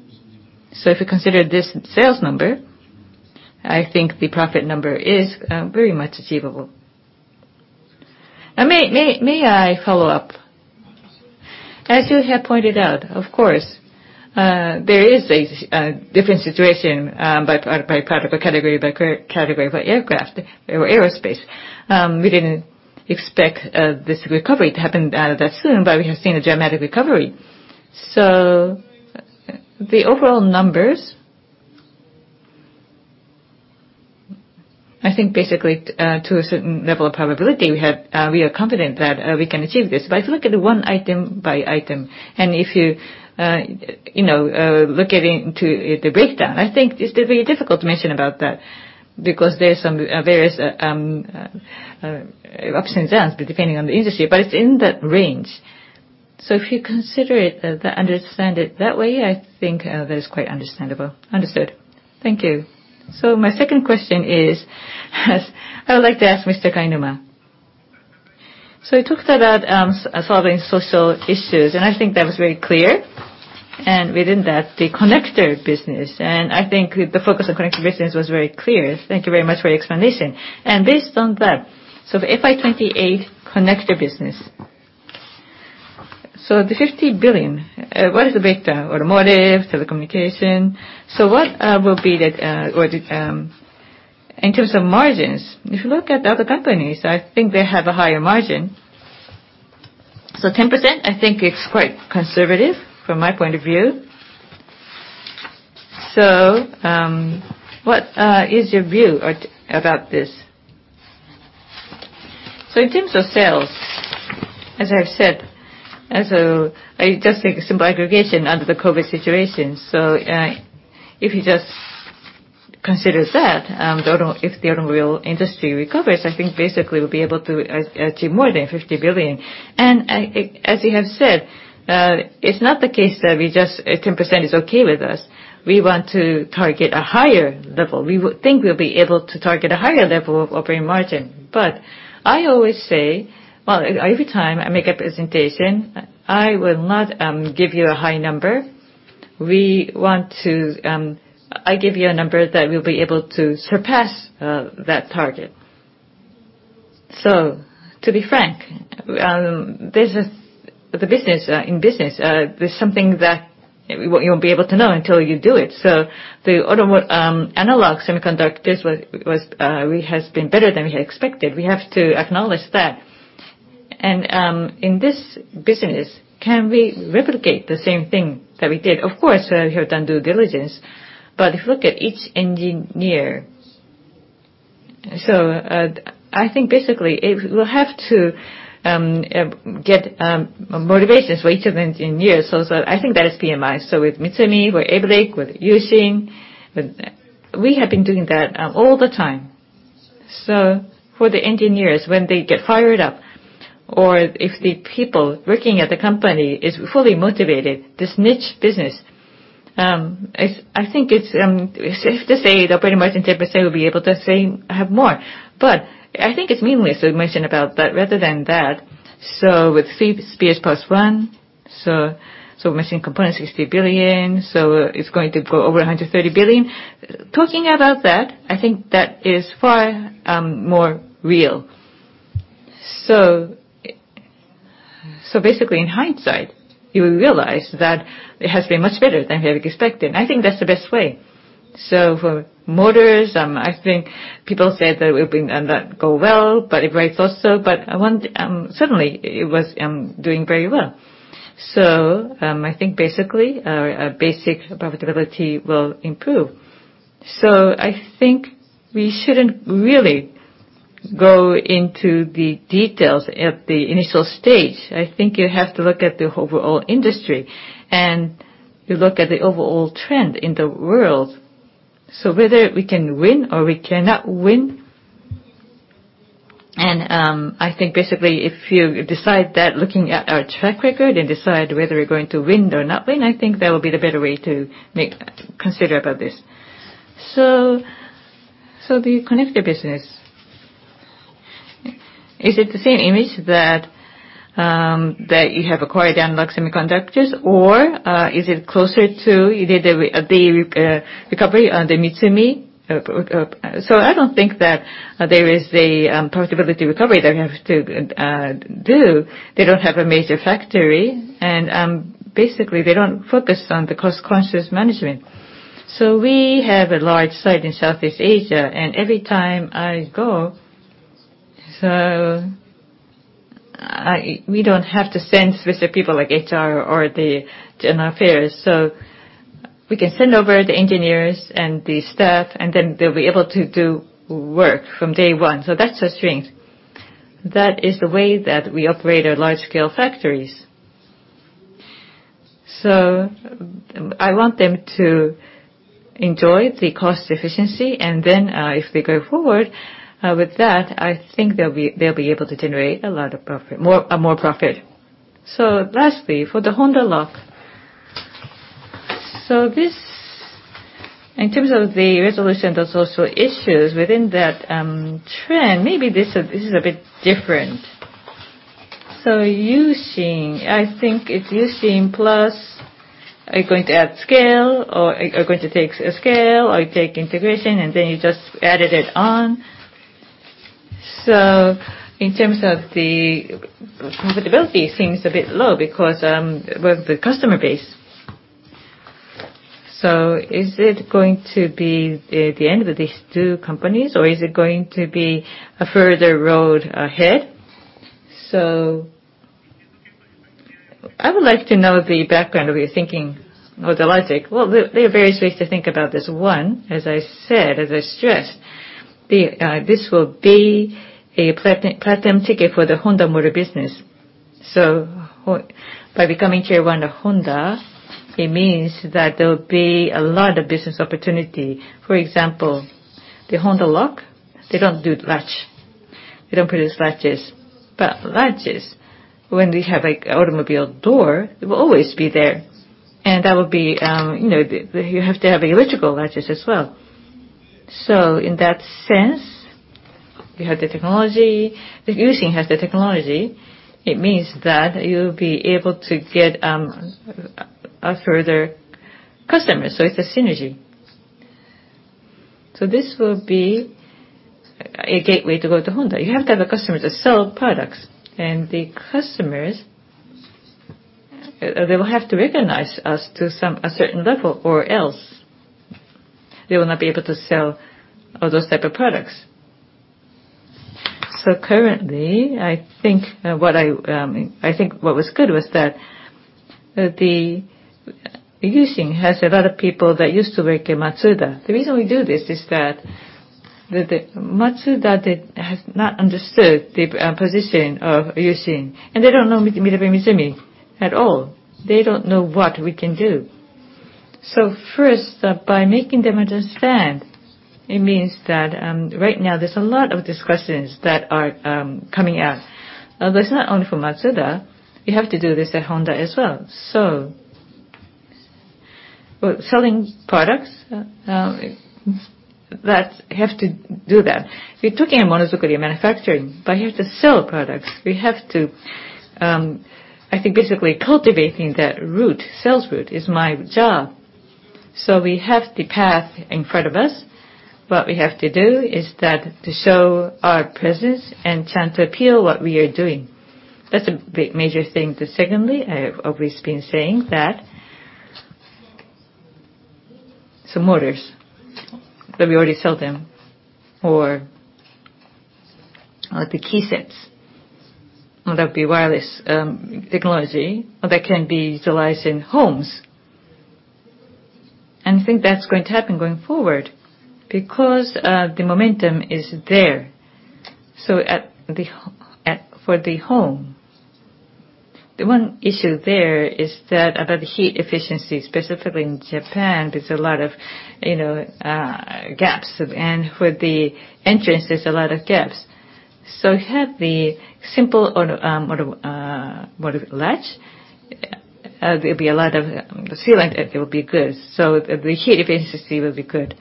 If we consider this sales number, I think the profit number is very much achievable. May I follow up? As you have pointed out, of course, there is a different situation by part, by product category, by category, by aircraft or aerospace. We didn't expect this recovery to happen that soon, but we have seen a dramatic recovery. The overall numbers, I think basically to a certain level of probability, we are confident that we can achieve this. If you look at it one item by item, and if you know, look into the breakdown, I think it's very difficult to mention about that because there are some various ups and downs depending on the industry, but it's in that range. If you understand it that way, I think that is quite understandable. Understood. Thank you. My second question is, I would like to ask Mr. Kainuma. You talked about solving social issues, and I think that was very clear. Within that, the connector business, and I think the focus on connector business was very clear. Thank you very much for your explanation. Based on that, the FY 2028 connector business. The 50 billion, what is the sector? Automotive, telecommunication. What will be the in terms of margins, if you look at the other companies, I think they have a higher margin. 10% I think is quite conservative from my point of view. What is your view about this? In terms of sales, as I've said, I just take a simple aggregation under the COVID situation. If you just consider that, if the automobile industry recovers, I think basically we'll be able to achieve more than 50 billion. As you have said, it's not the case that we just 10% is okay with us. We want to target a higher level. We think we'll be able to target a higher level of operating margin. I always say, well, every time I make a presentation, I will not give you a high number. We want to, I give you a number that we'll be able to surpass that target. To be frank, this is the business, in business, there's something that you won't be able to know until you do it. The analog semiconductor has been better than we had expected. We have to acknowledge that. In this business, can we replicate the same thing that we did? Of course, we have done due diligence, but if you look at each engineer. I think basically it will have to get motivations for each of the engineers. I think that is PMI. With Mitsumi, with ABLIC, with U-Shin, we have been doing that all the time. For the engineers, when they get fired up, or if the people working at the company is fully motivated, this niche business, I think it's safe to say that pretty much in 10% we'll be able to say have more. But I think it's meaningless to mention about that rather than that. With Spears plus one, mechanical components 60 billion. It's going to go over 130 billion. Talking about that, I think that is far more real. Basically, in hindsight, you will realize that it has been much better than we had expected, and I think that's the best way. For motors, I think people said that it would be, not go well, but everybody thought so. I want, suddenly it was, doing very well. I think basically, our basic profitability will improve. I think we shouldn't really go into the details at the initial stage. I think you have to look at the overall industry, and you look at the overall trend in the world. Whether we can win or we cannot win, and I think basically, if you decide that looking at our track record and decide whether we're going to win or not win, I think that would be the better way to consider about this. The connector business, is it the same image that you have acquired analog semiconductors, or is it closer to you did a big recovery on the Mitsumi? I don't think that there is a profitability recovery that we have to do. They don't have a major factory, and basically, they don't focus on the cost conscious management. We have a large site in Southeast Asia, and every time I go, we don't have to send specific people like HR or the general affairs. We can send over the engineers and the staff, and then they'll be able to do work from day one. That's a strength. That is the way that we operate our large-scale factories. I want them to enjoy the cost efficiency, and then, if we go forward with that, I think they'll be able to generate a lot of profit, more profit. Lastly, for the Honda Lock. This, in terms of the resolution, there's also issues within that trend. Maybe this is a bit different. U-Shin, I think it's U-Shin plus are going to add scale or are going to take scale or take integration, and then you just added it on. In terms of the profitability seems a bit low because, with the customer base. Is it going to be the end of these two companies, or is it going to be a further road ahead? I would like to know the background of your thinking or the logic. Well, there are various ways to think about this. One, as I said, as I stressed, this will be a platinum ticket for the Honda Motor business. By becoming Tier 1 of Honda, it means that there'll be a lot of business opportunity. For example, the Honda Lock, they don't do latch. They don't produce latches. But latches, when we have an automobile door, it will always be there. And that would be, you know, you have to have electrical latches as well. In that sense, we have the technology. If U-Shin has the technology, it means that you'll be able to get a further customer. It's a synergy. This will be a gateway to go to Honda. You have to have a customer to sell products, and the customers, they will have to recognize us to some, a certain level, or else they will not be able to sell all those type of products. Currently, I think what was good was that the U-Shin has a lot of people that used to work in Mazda. The reason we do this is that the Mazda has not understood the position of U-Shin, and they don't know MinebeaMitsumi at all. They don't know what we can do. First, by making them understand, it means that right now there's a lot of discussions that are coming out. That's not only for Mazda. You have to do this at Honda as well. Selling products that have to do that. We're talking about manufacturing, but we have to sell products. We have to, I think basically cultivating that route, sales route is my job. We have the path in front of us. What we have to do is that to show our presence and try to appeal what we are doing. That's a big major thing. Secondly, I have always been saying that some motors that we already sell them, or the key sets, or that'd be wireless technology, or that can be utilized in homes. I think that's going to happen going forward because the momentum is there. For the home, the one issue there is that about the heat efficiency, specifically in Japan, there's a lot of you know gaps, and with the entrance there's a lot of gaps. Have the simple automotive latch, there'll be a lot of sealant, it will be good. The heat efficiency will be good.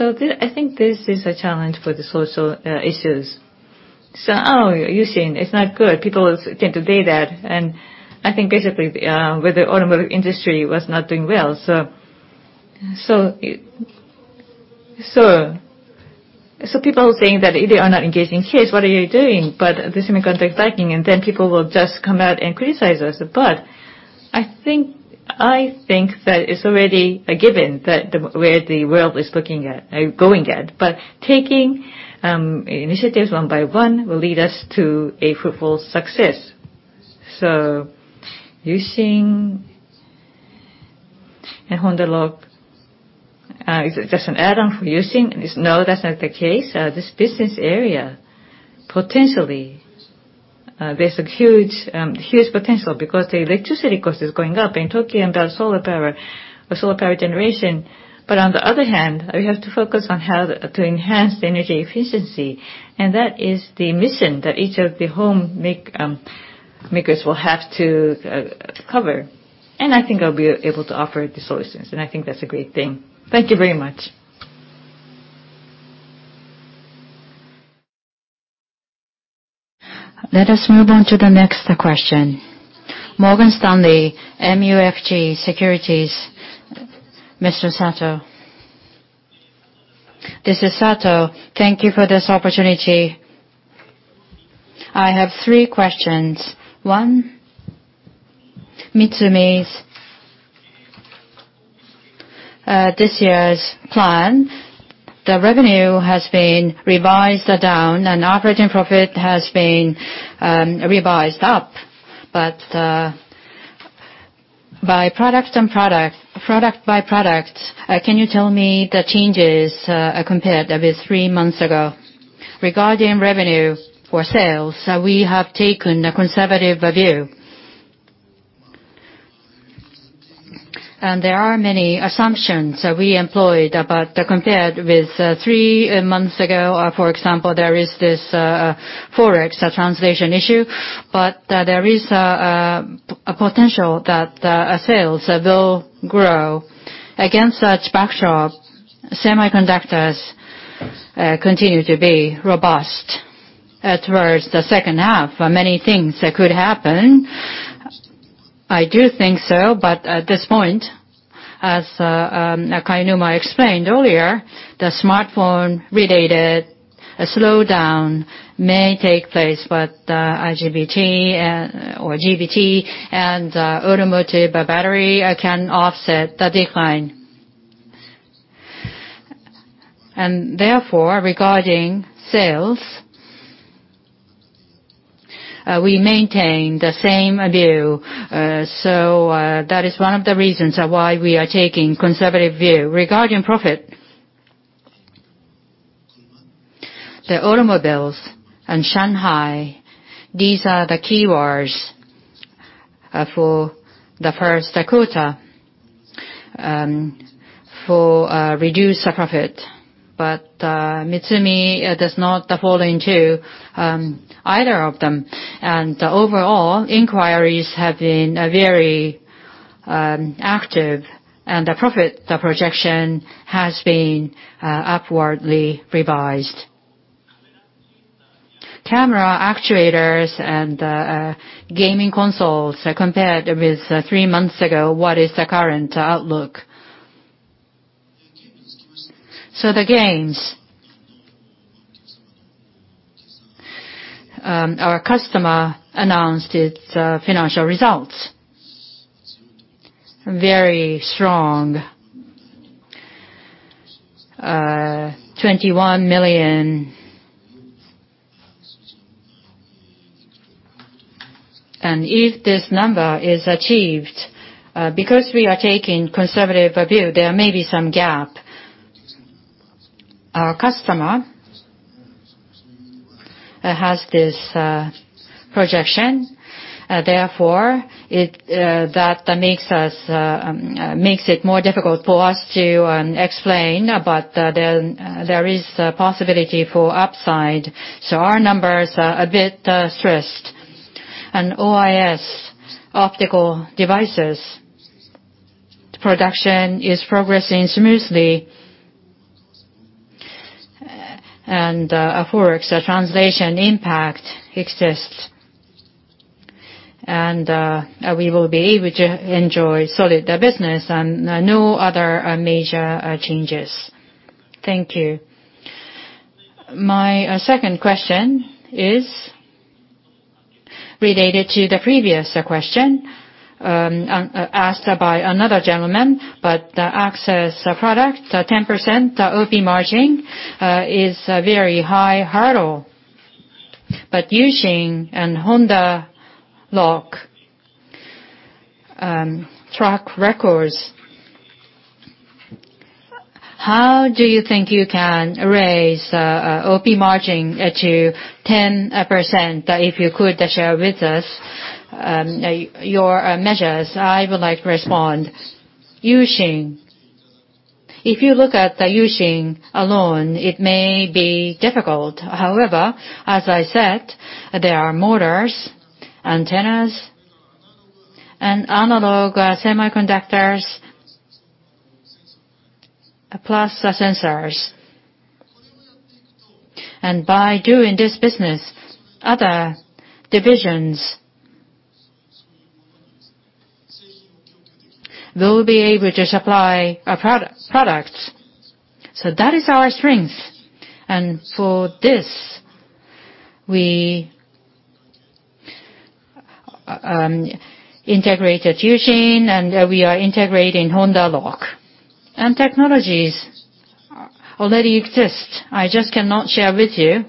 I think this is a challenge for the social issues. Using it's not good, people tend to say that, and I think basically, where the automotive industry was not doing well. People saying that they are not engaging here, what are you doing? The semiconductor backing, and then people will just come out and criticize us. I think that it's already a given that where the world is looking at or going at. Taking initiatives one by one will lead us to a fruitful success. Using a Honda Lock is just an add-on for using? No, that's not the case. This business area, potentially, there's a huge potential because the electricity cost is going up, and talking about solar power or solar power generation. On the other hand, we have to focus on how to enhance the energy efficiency, and that is the mission that each of the home appliance makers will have to cover. I think I'll be able to offer the solutions, and I think that's a great thing. Thank you very much. Let us move on to the next question. Morgan Stanley MUFG Securities. Mr. Sato. This is Sato. Thank you for this opportunity. I have three questions. One, Mitsumi's this year's plan, the revenue has been revised down and operating profit has been revised up. Product by product, can you tell me the changes compared with three months ago? Regarding revenue forecasts, we have taken a conservative view. There are many assumptions that we employed, but compared with three months ago, for example, there is this Forex translation issue. There is a potential that sales will grow. Against that backdrop, semiconductors continue to be robust. Towards the second half, many things could happen. I do think so, but at this point, as Kainuma explained earlier, the smartphone-related slowdown may take place, but IGBT and automotive battery can offset the decline. Therefore, regarding sales, we maintain the same view, so that is one of the reasons why we are taking conservative view. Regarding profit, the automobiles and Shanghai, these are the key areas for the first quarter for reduced profit. Mitsumi does not fall into either of them. The overall inquiries have been very active, and the profit projection has been upwardly revised. Camera actuators and gaming consoles, compared with three months ago, what is the current outlook? The games, our customer announced its financial results. Very strong, 21 million. If this number is achieved, because we are taking conservative view, there may be some gap. Our customer has this projection. Therefore, that makes it more difficult for us to explain, but then there is a possibility for upside. Our numbers are a bit stressed. OIS optical devices production is progressing smoothly. Forex translation impact exists. We will be able to enjoy solid business and no other major changes. Thank you. My second question is related to the previous question asked by another gentleman. The access product, the 10% OP margin, is a very high hurdle. Using a Honda Lock track records, how do you think you can raise OP margin to 10%, if you could share with us your measures? I would like to respond. U-Shin. If you look at the U-Shin alone, it may be difficult. However, as I said, there are motors, antennas and analog semiconductors, plus the sensors. By doing this business, other divisions will be able to supply our products. That is our strength. For this, we integrated U-Shin, and we are integrating Honda Lock. Technologies already exist. I just cannot share with you.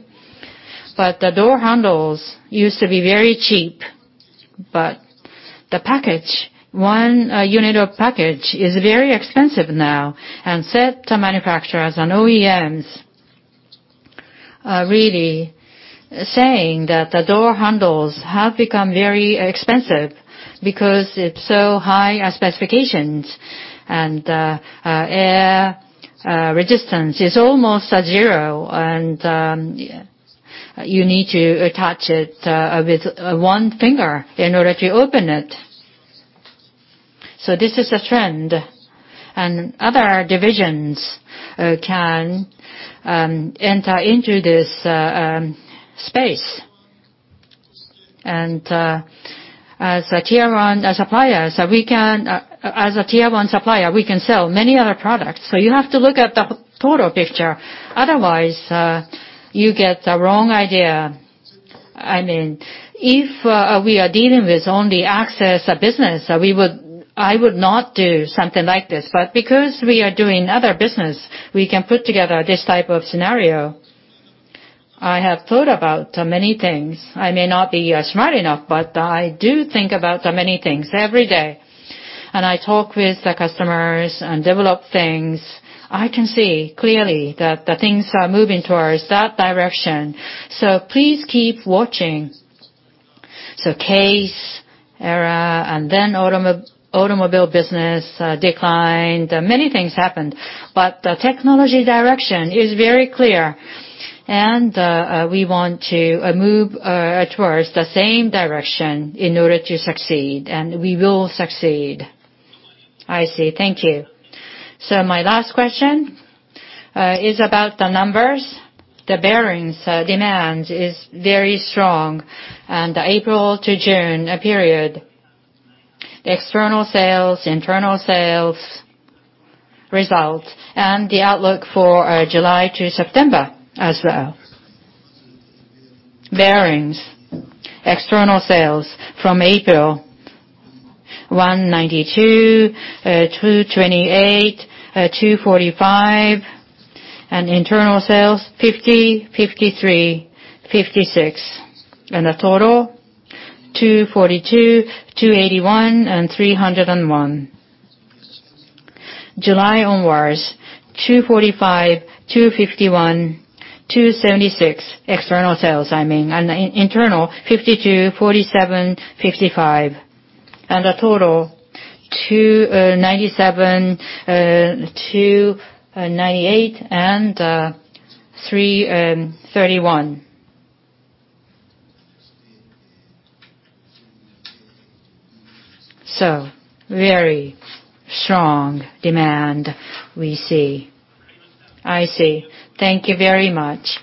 The door handles used to be very cheap, but the package, one unit of package is very expensive now. Set manufacturers and OEMs are really saying that the door handles have become very expensive because it's so high specifications, and the air resistance is almost at zero. You need to attach it with one finger in order to open it. This is a trend, and other divisions can enter into this space. As a Tier 1 supplier, we can sell many other products. You have to look at the total picture, otherwise you get the wrong idea. I mean, if we are dealing with only access business, I would not do something like this. Because we are doing other business, we can put together this type of scenario. I have thought about many things. I may not be smart enough, but I do think about many things every day. I talk with the customers and develop things. I can see clearly that the things are moving towards that direction. Please keep watching. CASE era, and then automobile business declined. Many things happened. The technology direction is very clear. We want to move towards the same direction in order to succeed, and we will succeed. I see. Thank you. My last question is about the numbers. The bearings demand is very strong. April to June period, the external sales, internal sales results, and the outlook for July to September as well. Bearings. External sales from April, 192, 228, 245. Internal sales, 50, 53, 56. The total, 242, 281, and 301. July onwards, 245, 251, 276. External sales, I mean. Internal, 52, 47, 55. The total, 297, 298, and 331. Very strong demand we see. I see. Thank you very much.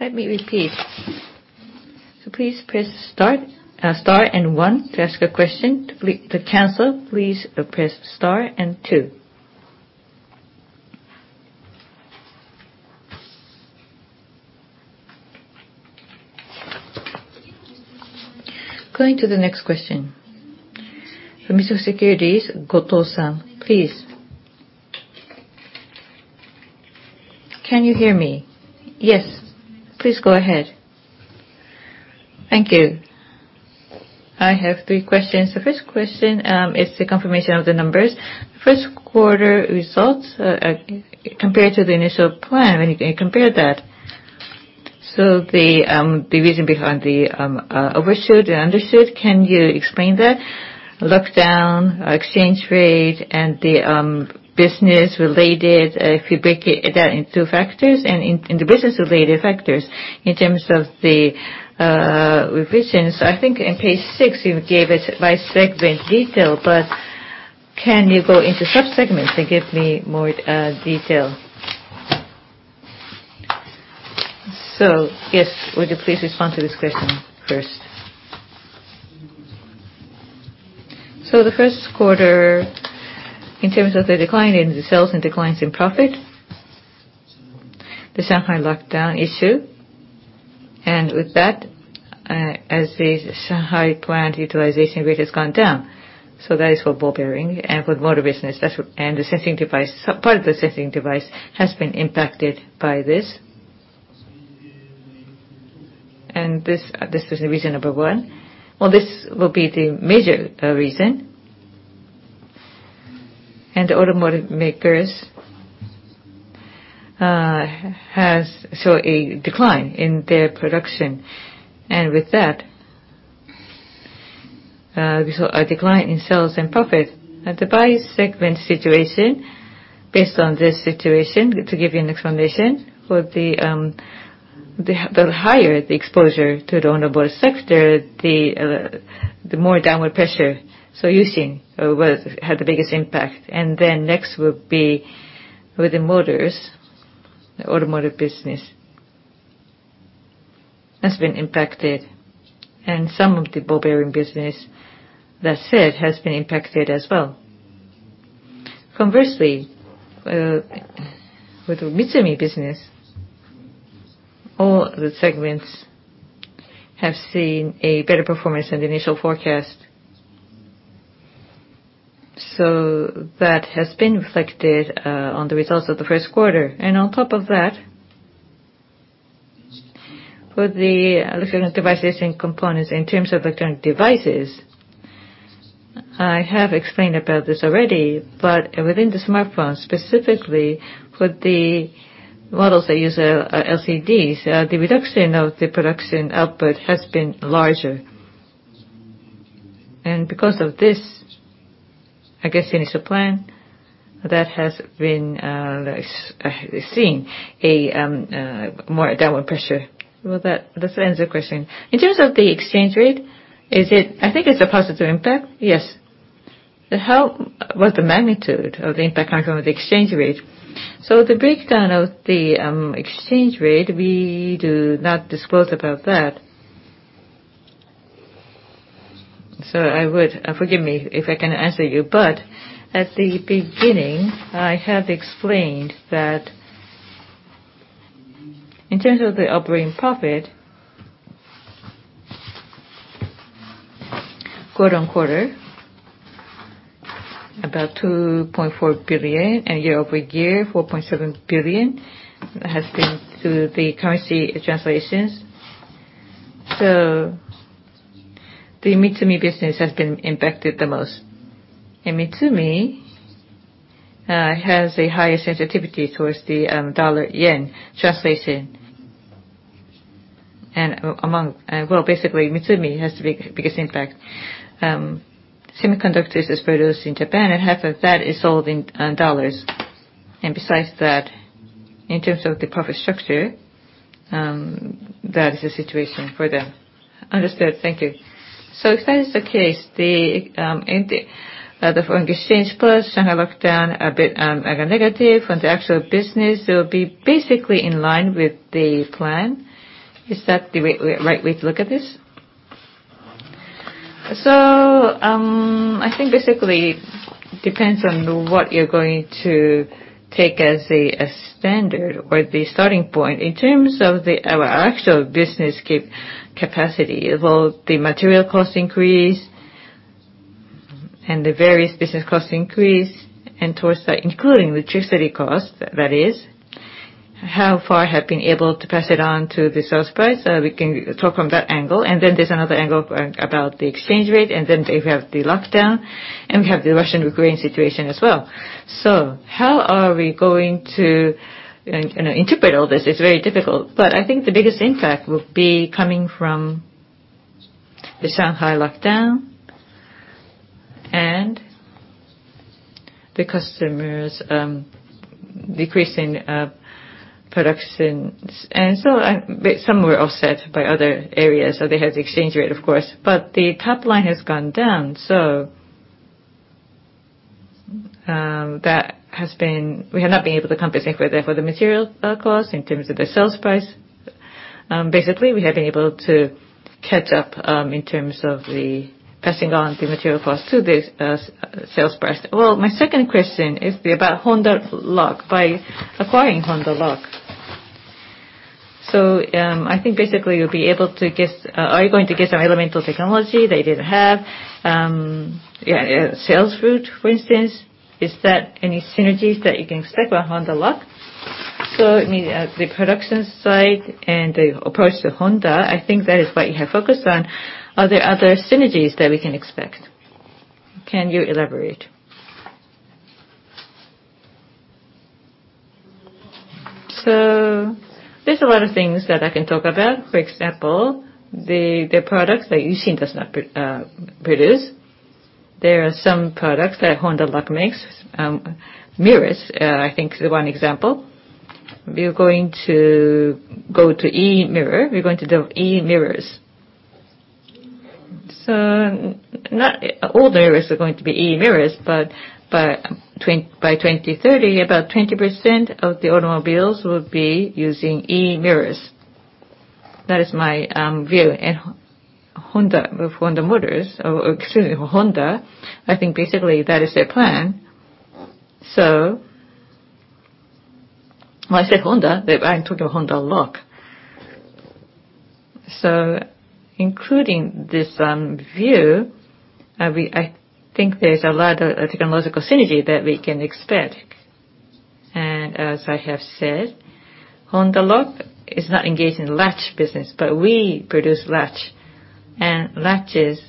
Let me repeat. Please press star and one to ask a question. To cancel, please press star and two. Going to the next question. From Mitsubishi UFJ Securities, Goto-san, please. Can you hear me? Yes. Please go ahead. Thank you. I have three questions. The first question is the confirmation of the numbers. First quarter results compared to the initial plan, when you compare that. The reason behind the overshoot and undershoot, can you explain that? Lockdown, exchange rate, and the business related, if you break that into factors, and in the business related factors, in terms of the revisions. I think in page six, you gave it by segment detail, but can you go into sub-segments and give me more detail? Yes, would you please respond to this question first? The first quarter, in terms of the decline in the sales and declines in profit, the Shanghai lockdown issue, and with that, as the Shanghai plant utilization rate has gone down. That is for ball bearing and for the motor business. That's what the sensing device. Part of the sensing device has been impacted by this. This is the reason number one. Well, this will be the major reason. The automotive makers have seen a decline in their production. With that, we saw a decline in sales and profit. By segment, the situation, based on this situation, to give you an explanation, for the higher the exposure to the automobile sector, the more downward pressure. U-Shin had the biggest impact. Then next would be with the motors, the automotive business has been impacted. Some of the ball bearing business, that said, has been impacted as well. Conversely, with the Mitsumi business, all the segments have seen a better performance than the initial forecast. That has been reflected on the results of the first quarter. On top of that, for the electronic devices and components, in terms of electronic devices, I have explained about this already. Within the smartphone, specifically for the models that use LCDs, the reduction of the production output has been larger. Because of this, I guess the initial plan that has been like seeing a more downward pressure. Does that answer your question? In terms of the exchange rate, I think it's a positive impact. Yes. How was the magnitude of the impact coming from the exchange rate? The breakdown of the exchange rate, we do not disclose about that. I would—Forgive me if I cannot answer you, but at the beginning, I have explained that in terms of the operating profit, quarter-on-quarter, about 2.4 billion, and year-over-year, 4.7 billion, has been through the currency translations. The Mitsumi business has been impacted the most. Mitsumi has a higher sensitivity towards the dollar-yen translation. Among, well, basically, Mitsumi has the biggest impact. Semiconductors is produced in Japan, and half of that is sold in dollars. Besides that, in terms of the profit structure, that is the situation for them. Understood. Thank you. If that is the case, the foreign exchange first, Shanghai lockdown a bit, like a negative. From the actual business, it will be basically in line with the plan. Is that the right way to look at this? I think basically depends on what you're going to take as a standard or the starting point. In terms of our actual business capacity, although the material cost increase and the various business cost increase, and towards the including electricity cost, that is, how far have been able to pass it on to the sales price, we can talk from that angle. Then there's another angle about the exchange rate, and then we have the lockdown, and we have the Russian-Ukrainian situation as well. How are we going to, you know, interpret all this? It's very difficult. I think the biggest impact will be coming from the Shanghai lockdown and the customers decreasing production. Some were offset by other areas. They have the exchange rate, of course. The top line has gone down. We have not been able to compensate for the material cost in terms of the sales price. Basically, we have been able to catch up in terms of the passing on the material cost to the sales price. Well, my second question is about Honda Lock, by acquiring Honda Lock. I think basically you'll be able to get. Are you going to get some fundamental technology they didn't have? Sales route, for instance, is that any synergies that you can expect by Honda Lock? The production side and the approach to Honda, I think that is what you have focused on. Are there other synergies that we can expect? Can you elaborate? There's a lot of things that I can talk about. For example, the products that U-Shin does not produce. There are some products that Honda Lock makes. Mirrors I think is one example. We are going to go to e-mirror. We're going to do e-mirrors. Not all mirrors are going to be e-mirrors, but by 2030, about 20% of the automobiles will be using e-mirrors. That is my view. Honda, with Honda Motor, or excuse me, Honda, I think basically that is their plan. When I say Honda, they, I'm talking Honda Lock. Including this view, I think there's a lot of technological synergy that we can expect. As I have said, Honda Lock is not engaged in the latch business, but we produce latch. Latches,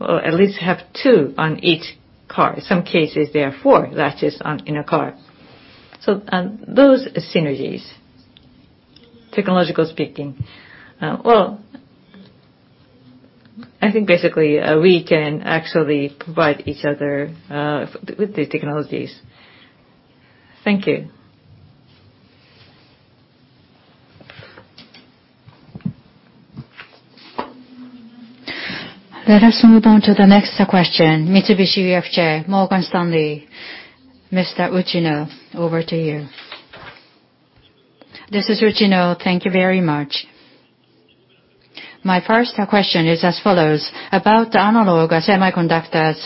at least have two on each car. In some cases, there are four latches on a car. Those are synergies, technologically speaking. Well, I think basically, we can actually provide each other with the technologies. Thank you. Let us move on to the next question. Mitsubishi UFJ Morgan Stanley, Mr. Ogino over to you. This is Ogino. Thank you very much. My first question is as follows. About analog semiconductors.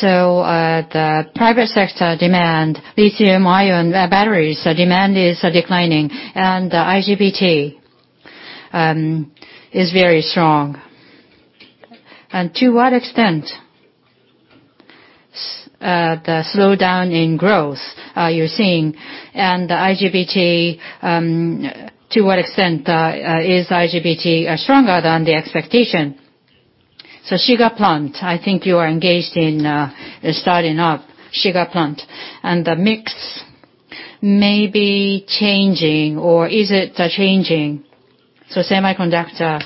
The private sector demand lithium-ion batteries, demand is declining, and IGBT is very strong. To what extent the slowdown in growth you're seeing, and the IGBT, to what extent is IGBT stronger than the expectation? Shiga plant, I think you are engaged in starting up Shiga plant, and the mix may be changing, or is it changing? Semiconductor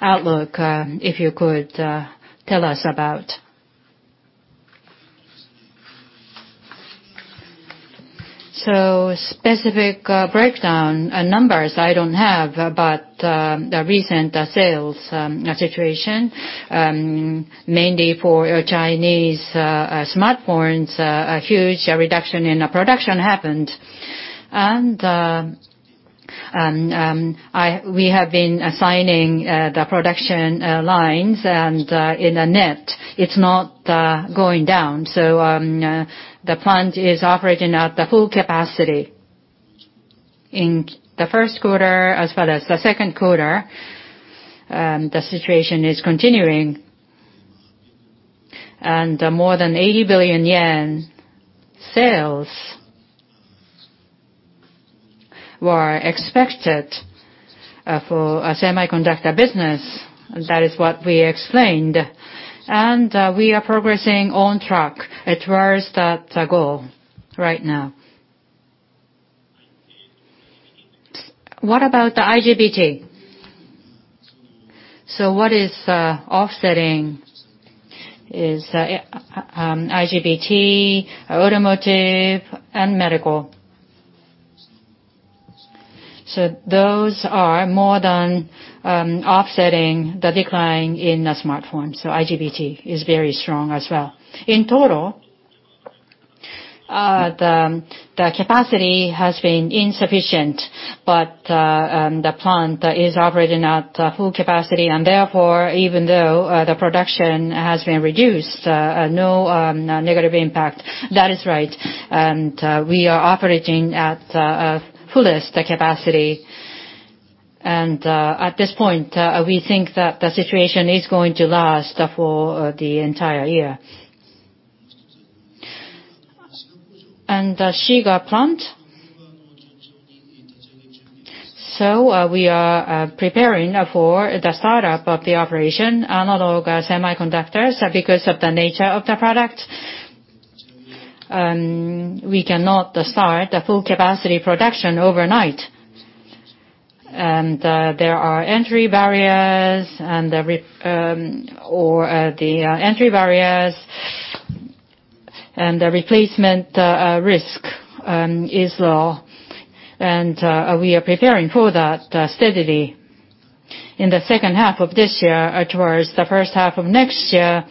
outlook, if you could tell us about. Specific breakdown numbers I don't have, but the recent sales situation mainly for Chinese smartphones, a huge reduction in production happened. We have been assigning the production lines, and in a net, it's not going down. The plant is operating at the full capacity. In the first quarter as well as the second quarter, the situation is continuing. More than JPY 80 billion sales were expected for semiconductor business. That is what we explained. We are progressing on track towards that goal right now. What about the IGBT? Offsetting is IGBT, automotive, and medical. Those are more than offsetting the decline in the smartphone. IGBT is very strong as well. In total, the capacity has been insufficient, but the plant is operating at full capacity, and therefore, even though the production has been reduced, no negative impact. That is right. We are operating at fullest capacity. At this point, we think that the situation is going to last for the entire year. The Shiga plant? We are preparing for the startup of the operation. Analog semiconductors are, because of the nature of the product, and we cannot start a full capacity production overnight. There are entry barriers and the replacement risk is low. We are preparing for that steadily. In the second half of this year towards the first half of next year,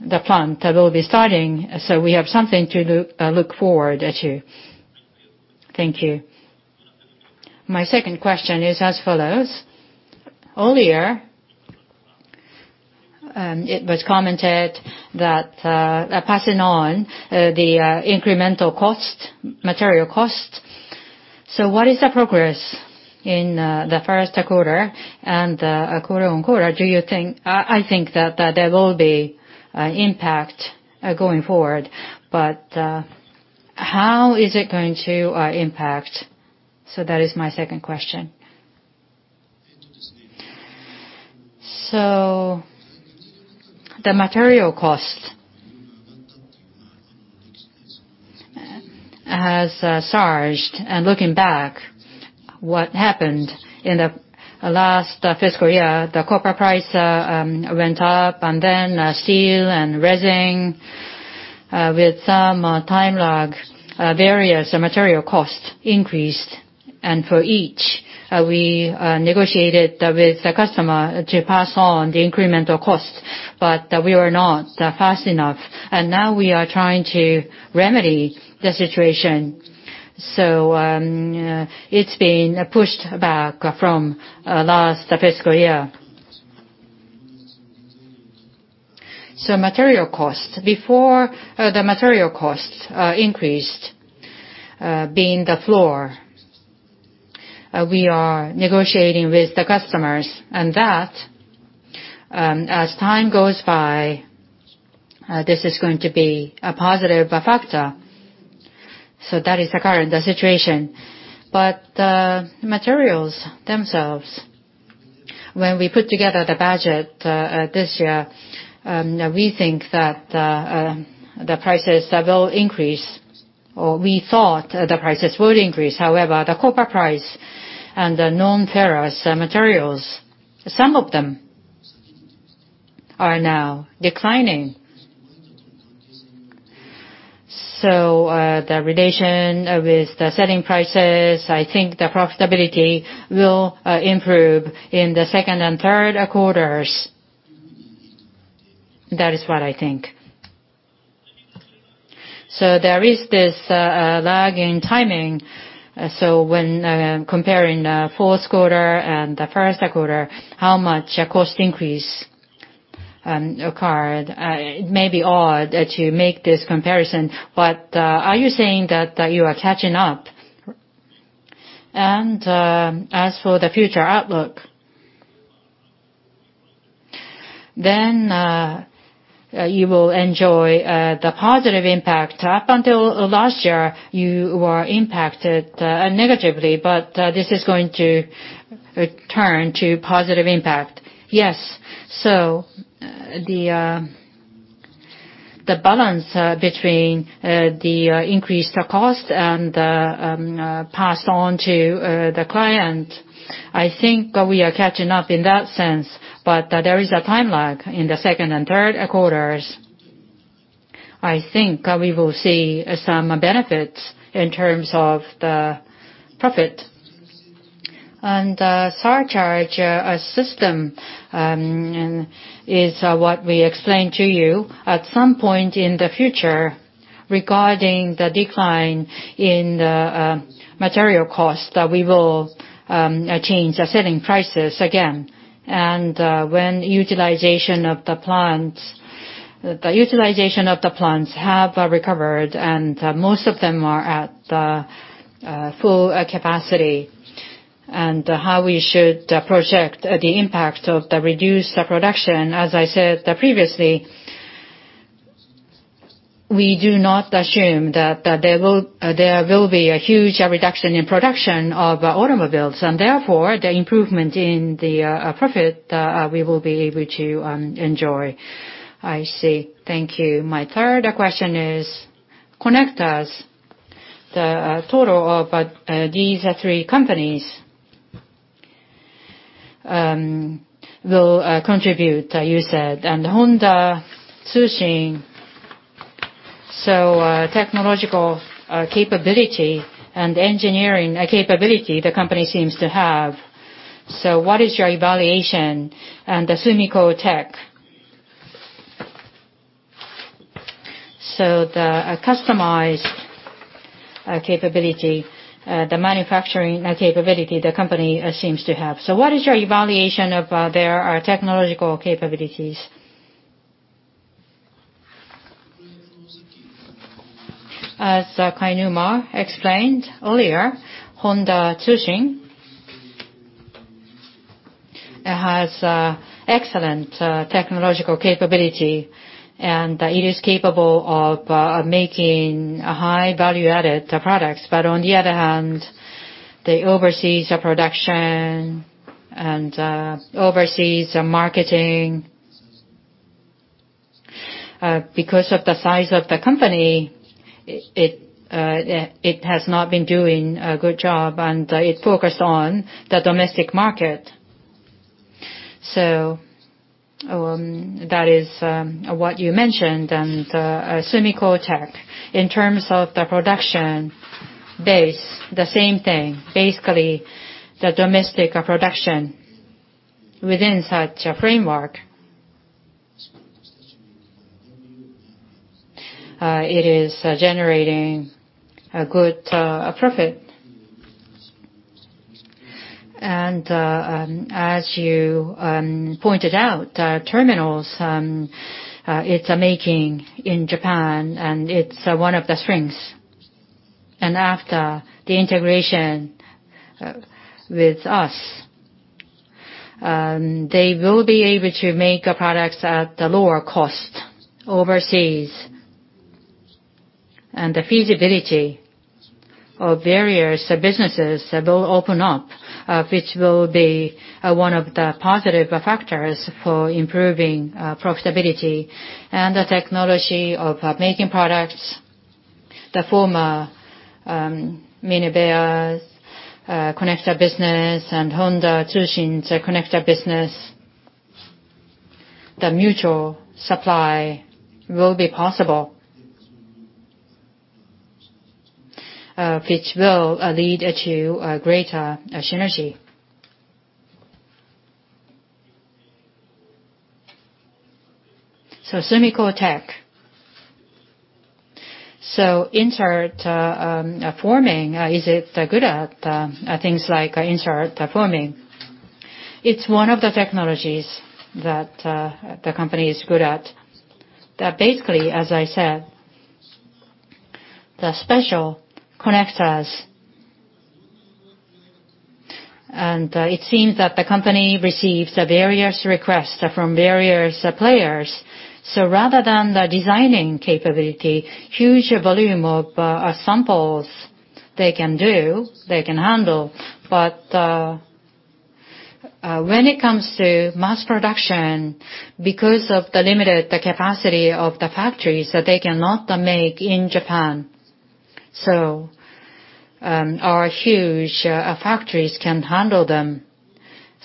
the plant will be starting, so we have something to look forward to. Thank you. My second question is as follows. Earlier, it was commented that passing on the incremental cost, material cost. What is the progress in the first quarter and quarter-on-quarter? I think that there will be an impact going forward, but how is it going to impact? That is my second question. The material cost has surged. Looking back, what happened in the last fiscal year, the copper price went up and then steel and resin, with some time lag, various material costs increased. For each, we negotiated with the customer to pass on the incremental costs, but we were not fast enough. Now we are trying to remedy the situation. It's been pushed back from last fiscal year. Material costs. Before the material costs increased, being the floor, we are negotiating with the customers, and that, as time goes by, this is going to be a positive factor. That is the current situation. The materials themselves, when we put together the budget, this year, we think that, the prices will increase, or we thought the prices would increase. However, the copper price and the non-ferrous materials, some of them are now declining. The relation with the selling prices, I think the profitability will improve in the second and third quarters. That is what I think. There is this lag in timing. When comparing the fourth quarter and the first quarter, how much cost increase occurred? It may be odd to make this comparison, but are you saying that you are catching up? As for the future outlook. You will enjoy the positive impact. Up until last year, you were impacted negatively, but this is going to return to positive impact. Yes. The balance between the increased cost and the passed on to the client, I think we are catching up in that sense. There is a time lag in the second and third quarters. I think we will see some benefits in terms of the profit. Surcharge system is what we explained to you. At some point in the future, regarding the decline in the material costs, that we will change the selling prices again. When utilization of the plants have recovered, and most of them are at the full capacity, and how we should project the impact of the reduced production. As I said previously, we do not assume that there will be a huge reduction in production of automobiles, and therefore, the improvement in the profit we will be able to enjoy. I see. Thank you. My third question is connectors. The total of these three companies will contribute, you said, and Honda Tsushin. Technological capability and engineering capability the company seems to have. What isSUMIKO TEC. the customized capability the manufacturing capability the company seems to have. What is your evaluation of their technological capabilities? As Kainuma explained earlier, Honda Tsushin has excellent technological capability, and it is capable of making high value-added products. On the other hand, the overseas production and overseas marketing because of the size of the company, it has not been doing a good job, and it focus on the domestic market. That is what SUMIKO TEC, in terms of the production base, the same thing. Basically, the domestic production within such a framework, it is generating a good profit. As you pointed out, terminals it's making in Japan, and it's one of the strengths. After the integration with us, they will be able to make products at a lower cost overseas. The feasibility of various businesses that will open up, which will be one of the positive factors for improving profitability. The technology of making products, the former Minebea's connector business and Honda Tsushin's connector business, the mutual supply will be possible, which will lead to a SUMIKO TEC. insert forming, is it good at things like insert forming? It's one of the technologies that the company is good at. That basically, as I said, the special connectors. It seems that the company receives various requests from various players. Rather than the designing capability, huge volume of samples they can do, they can handle. When it comes to mass production, because of the limited capacity of the factories, they cannot make in Japan. Our huge factories can handle them.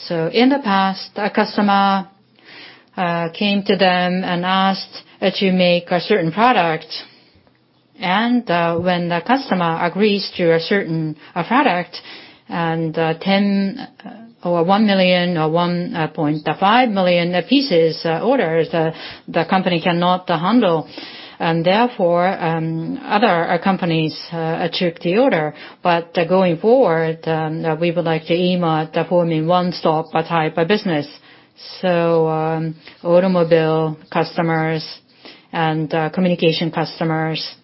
In the past, a customer came to them and asked to make a certain product. When the customer agrees to a certain product and 10 or 1 million or 1.5 million pieces orders, the company cannot handle, and therefore other companies took the order. Going forward, we would like to aim at forming one-stop type of business. Automobile customers and communication customers,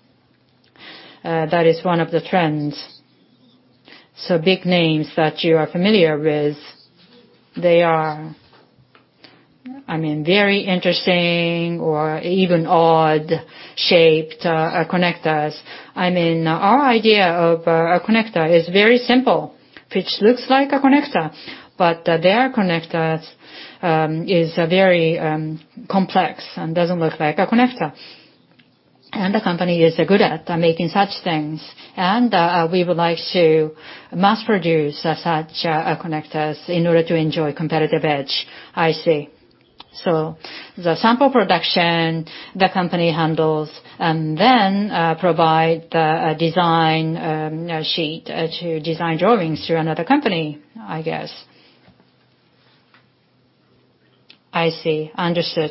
that is one of the trends. Big names that you are familiar with, they are, I mean, very interesting or even odd-shaped connectors. I mean, our idea of a connector is very simple, which looks like a connector. Their connectors is very complex and doesn't look like a connector. The company is good at making such things. We would like to mass produce such connectors in order to enjoy competitive edge. I see. The sample production, the company handles and then provide the design sheet to design drawings to another company, I guess. I see. Understood.